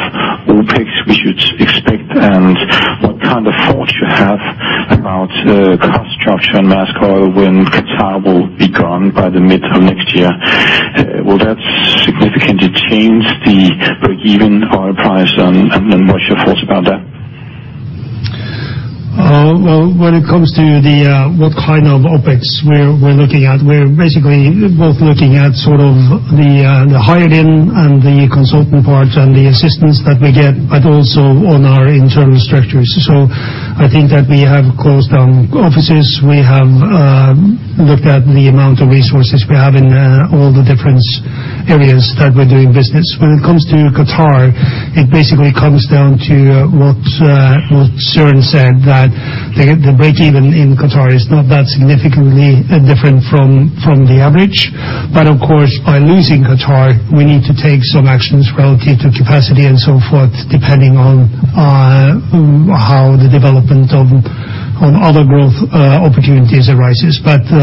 OpEx we should expect and what kind of thoughts you have about cost structure in Maersk Oil when Qatar will be gone by the mid of next year. Will that significantly change the breakeven oil price, and then what's your thoughts about that? Well, when it comes to what kind of OpEx we're looking at, we're basically both looking at sort of the hired in and the consultant part and the assistance that we get, but also on our internal structures. I think that we have closed down offices. We have looked at the amount of resources we have in all the different areas that we're doing business. When it comes to Qatar, it basically comes down to what Søren said, that the breakeven in Qatar is not that significantly different from the average. Of course, by losing Qatar, we need to take some actions relative to capacity and so forth, depending on how the development of other growth opportunities arises. The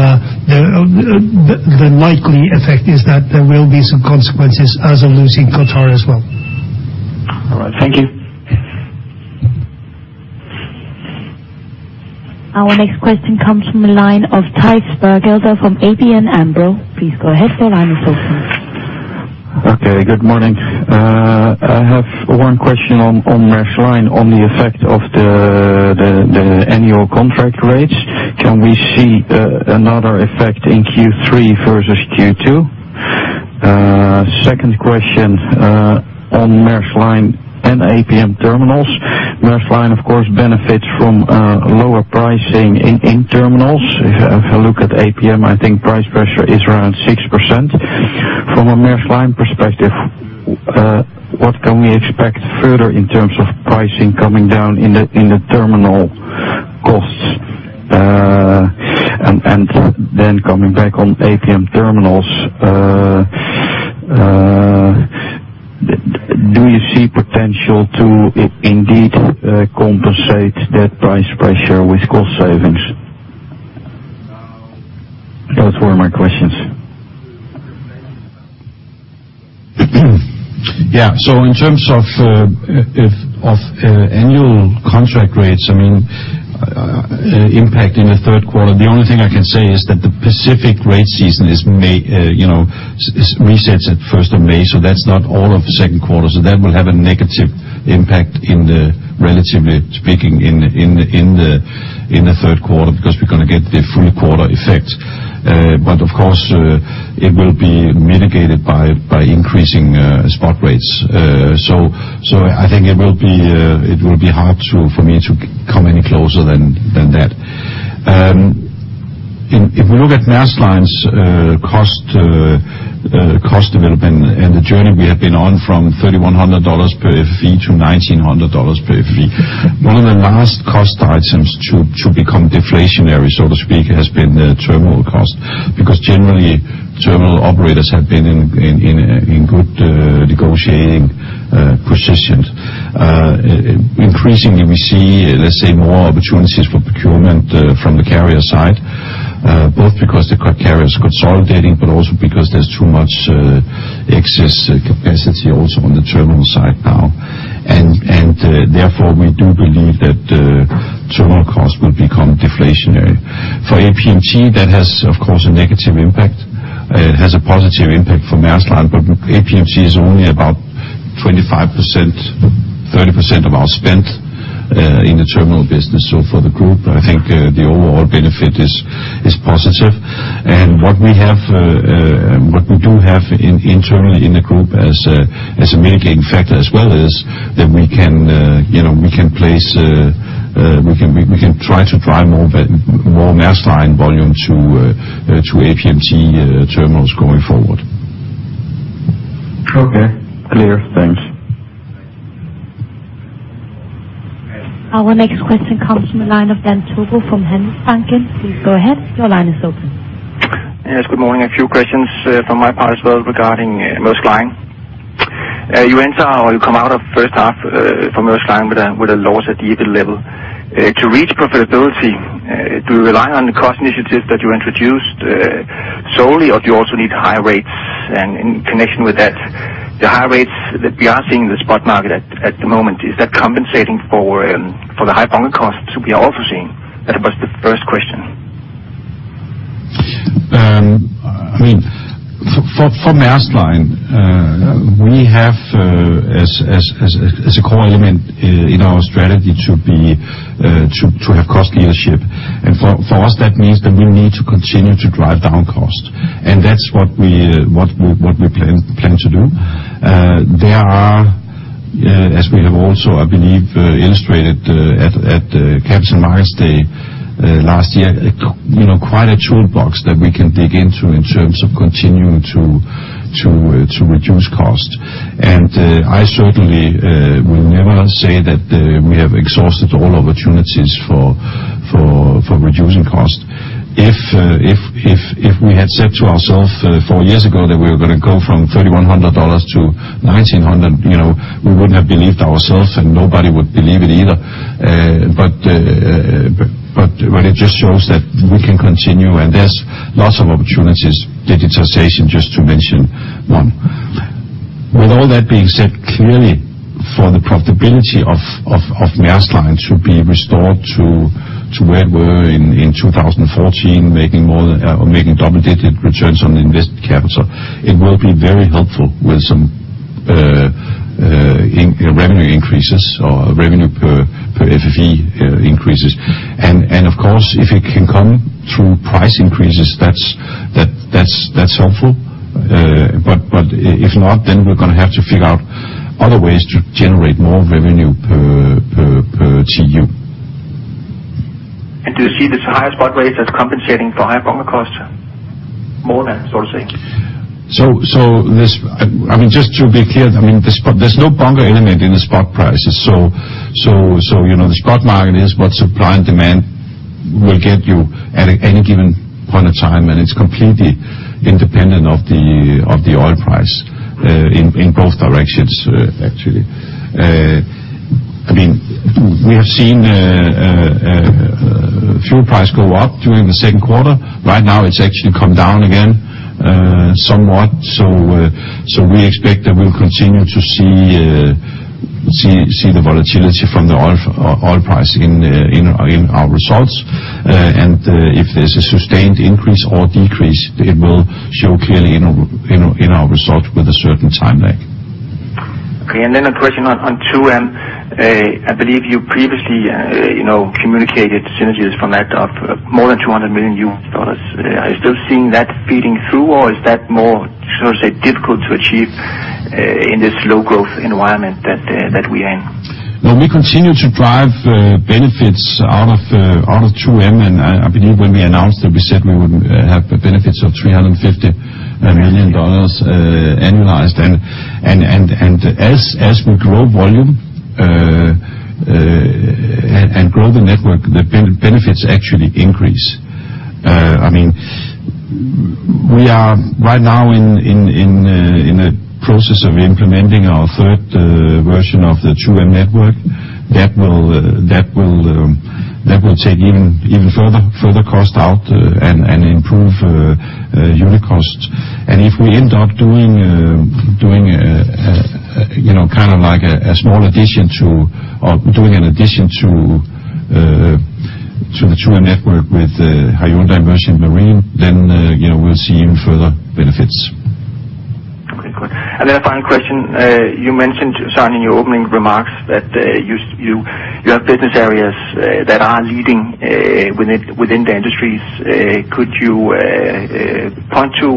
likely effect is that there will be some consequences as of losing Qatar as well. All right. Thank you. Our next question comes from the line of Thijs Berkelder from ABN AMRO. Please go ahead, your line is open. Okay, good morning. I have one question on Maersk Line on the effect of the annual contract rates. Can we see another effect in Q3 versus Q2? Second question on Maersk Line and APM Terminals. Maersk Line, of course, benefits from lower pricing in terminals. If I look at APM, I think price pressure is around 6%. From a Maersk Line perspective, what can we expect further in terms of pricing coming down in the terminal costs? Coming back on APM Terminals, do you see potential to indeed compensate that price pressure with cost savings? Those were my questions. Yeah. In terms of annual contract rates, I mean, impacting the third quarter, the only thing I can say is that the Pacific rate season is May, you know, it resets at first of May, that's not all of the second quarter. That will have a negative impact, relatively speaking, in the third quarter because we're gonna get the full quarter effect. But of course, it will be mitigated by increasing spot rates. So I think it will be hard for me to come any closer than that. If we look at Maersk Line's cost development and the journey we have been on from $3,100 per FFE to $1,900 per FFE. One of the last cost items to become deflationary, so to speak, has been the terminal cost. Because generally, terminal operators have been in good negotiating positions. Increasingly we see, let's say, more opportunities for procurement from the carrier side, both because the carriers consolidating, but also because there's too much excess capacity also on the terminal side now. Therefore, we do believe that terminal costs will become deflationary. For APMT, that has, of course, a negative impact. It has a positive impact for Maersk Line, but APMT is only about 25%, 30% of our spend in the terminal business. For the group, I think the overall benefit is positive. What we do have internally in the group as a mitigating factor as well is that we can, you know, try to drive more Maersk Line volume to APMT terminals going forward. Okay. Clear. Thanks. Our next question comes from the line of Dan Togo from Handelsbanken. Please go ahead. Your line is open. Yes, good morning. A few questions from my part as well regarding Maersk Line. You enter or you come out of first half for Maersk Line with a loss at the EBIT level. To reach profitability, do you rely on the cost initiatives that you introduced solely, or do you also need higher rates? In connection with that, the higher rates that we are seeing in the spot market at the moment, is that compensating for the high bunker costs we are also seeing? That was the first question. I mean, for Maersk Line, we have as a core element in our strategy to be to have cost leadership. For us, that means that we need to continue to drive down costs. That's what we plan to do. There are, as we have also, I believe, illustrated at Capital Markets Day last year, you know, quite a toolbox that we can dig into in terms of continuing to reduce costs. I should say that we have exhausted all opportunities for reducing costs. If we had said to ourselves four years ago that we were gonna go from $3,100-$1,900, you know, we wouldn't have believed ourselves, and nobody would believe it either. It just shows that we can continue, and there's lots of opportunities, digitization, just to mention one. With all that being said, clearly, for the profitability of Maersk Line to be restored to where we were in 2014, making more than or making double-digit returns on invested capital, it will be very helpful with some revenue increases or revenue per FFE increases. Of course, if it can come through price increases, that's helpful. If not, then we're gonna have to figure out other ways to generate more revenue per TEU. Do you see this higher spot rates as compensating for higher bunker costs? More than, so to say. I mean, just to be clear, I mean, the spot, there's no bunker element in the spot prices. You know, the spot market is what supply and demand will get you at any given point in time, and it's completely independent of the oil price in both directions, actually. I mean, we have seen fuel price go up during the second quarter. Right now, it's actually come down again, somewhat. We expect that we'll continue to see the volatility from the oil price in our results. If there's a sustained increase or decrease, it will show clearly in our results with a certain time lag. Okay. A question on 2M. I believe you previously, you know, communicated synergies from that of more than $200 million. Are you still seeing that feeding through, or is that more, so to say, difficult to achieve, in this low growth environment that we're in? No, we continue to drive benefits out of 2M, and I believe when we announced that, we said we would have benefits of $350 million annualized. As we grow volume and grow the network, the benefits actually increase. I mean, we are right now in a process of implementing our third version of the 2M network that will take even further cost out and improve unit costs. If we end up doing you know, kind of like a small addition to or doing an addition to the 2M network with Hyundai Merchant Marine, then you know, we'll see even further benefits. Okay, good. Then a final question. You mentioned, Søren, in your opening remarks that you have business areas that are leading within the industries. Could you point to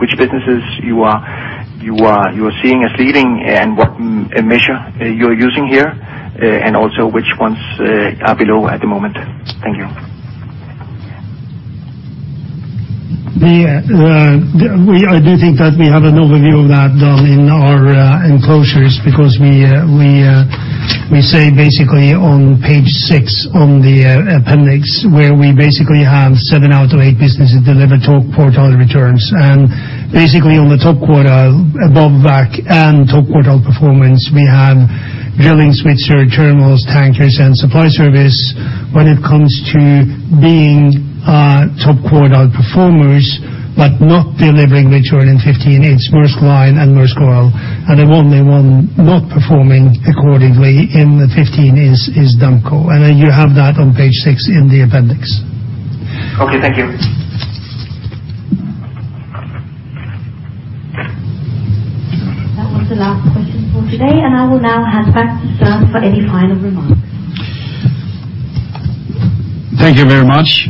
which businesses you are seeing as leading and what measure you're using here, and also which ones are below at the moment? Thank you. I do think that we have an overview of that done in our enclosures, because we say basically on page six on the appendix, where we basically have seven out of eight businesses deliver top quartile returns. Basically on the top quartile above WACC and top quartile performance, we have Drilling, Svitzer, Terminals, Tankers and Supply Service. When it comes to being top quartile performers, but not delivering return in 2015, it's Maersk Line and Maersk Oil. The only one not performing accordingly in 2015 is Damco. You have that on page 6 in the appendix. Okay, thank you. That was the last question for today, and I will now hand back to Søren for any final remarks. Thank you very much.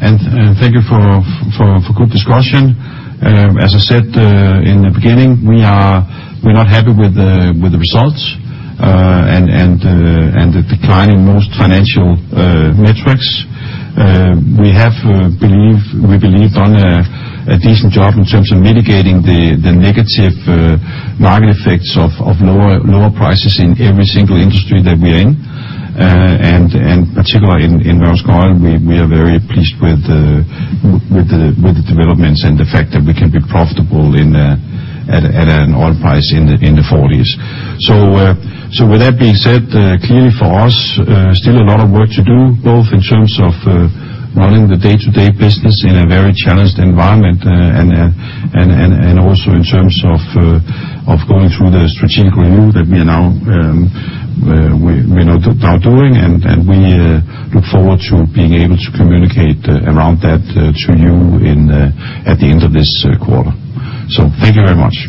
Thank you for good discussion. As I said in the beginning, we're not happy with the results and the declining most financial metrics. We believe we have done a decent job in terms of mitigating the negative market effects of lower prices in every single industry that we're in. And particularly in Maersk Oil, we are very pleased with the developments and the fact that we can be profitable at an oil price in the forties. With that being said, clearly for us, still a lot of work to do, both in terms of running the day-to-day business in a very challenged environment, and also in terms of going through the strategic review that we are now doing. We look forward to being able to communicate around that to you at the end of this quarter. Thank you very much.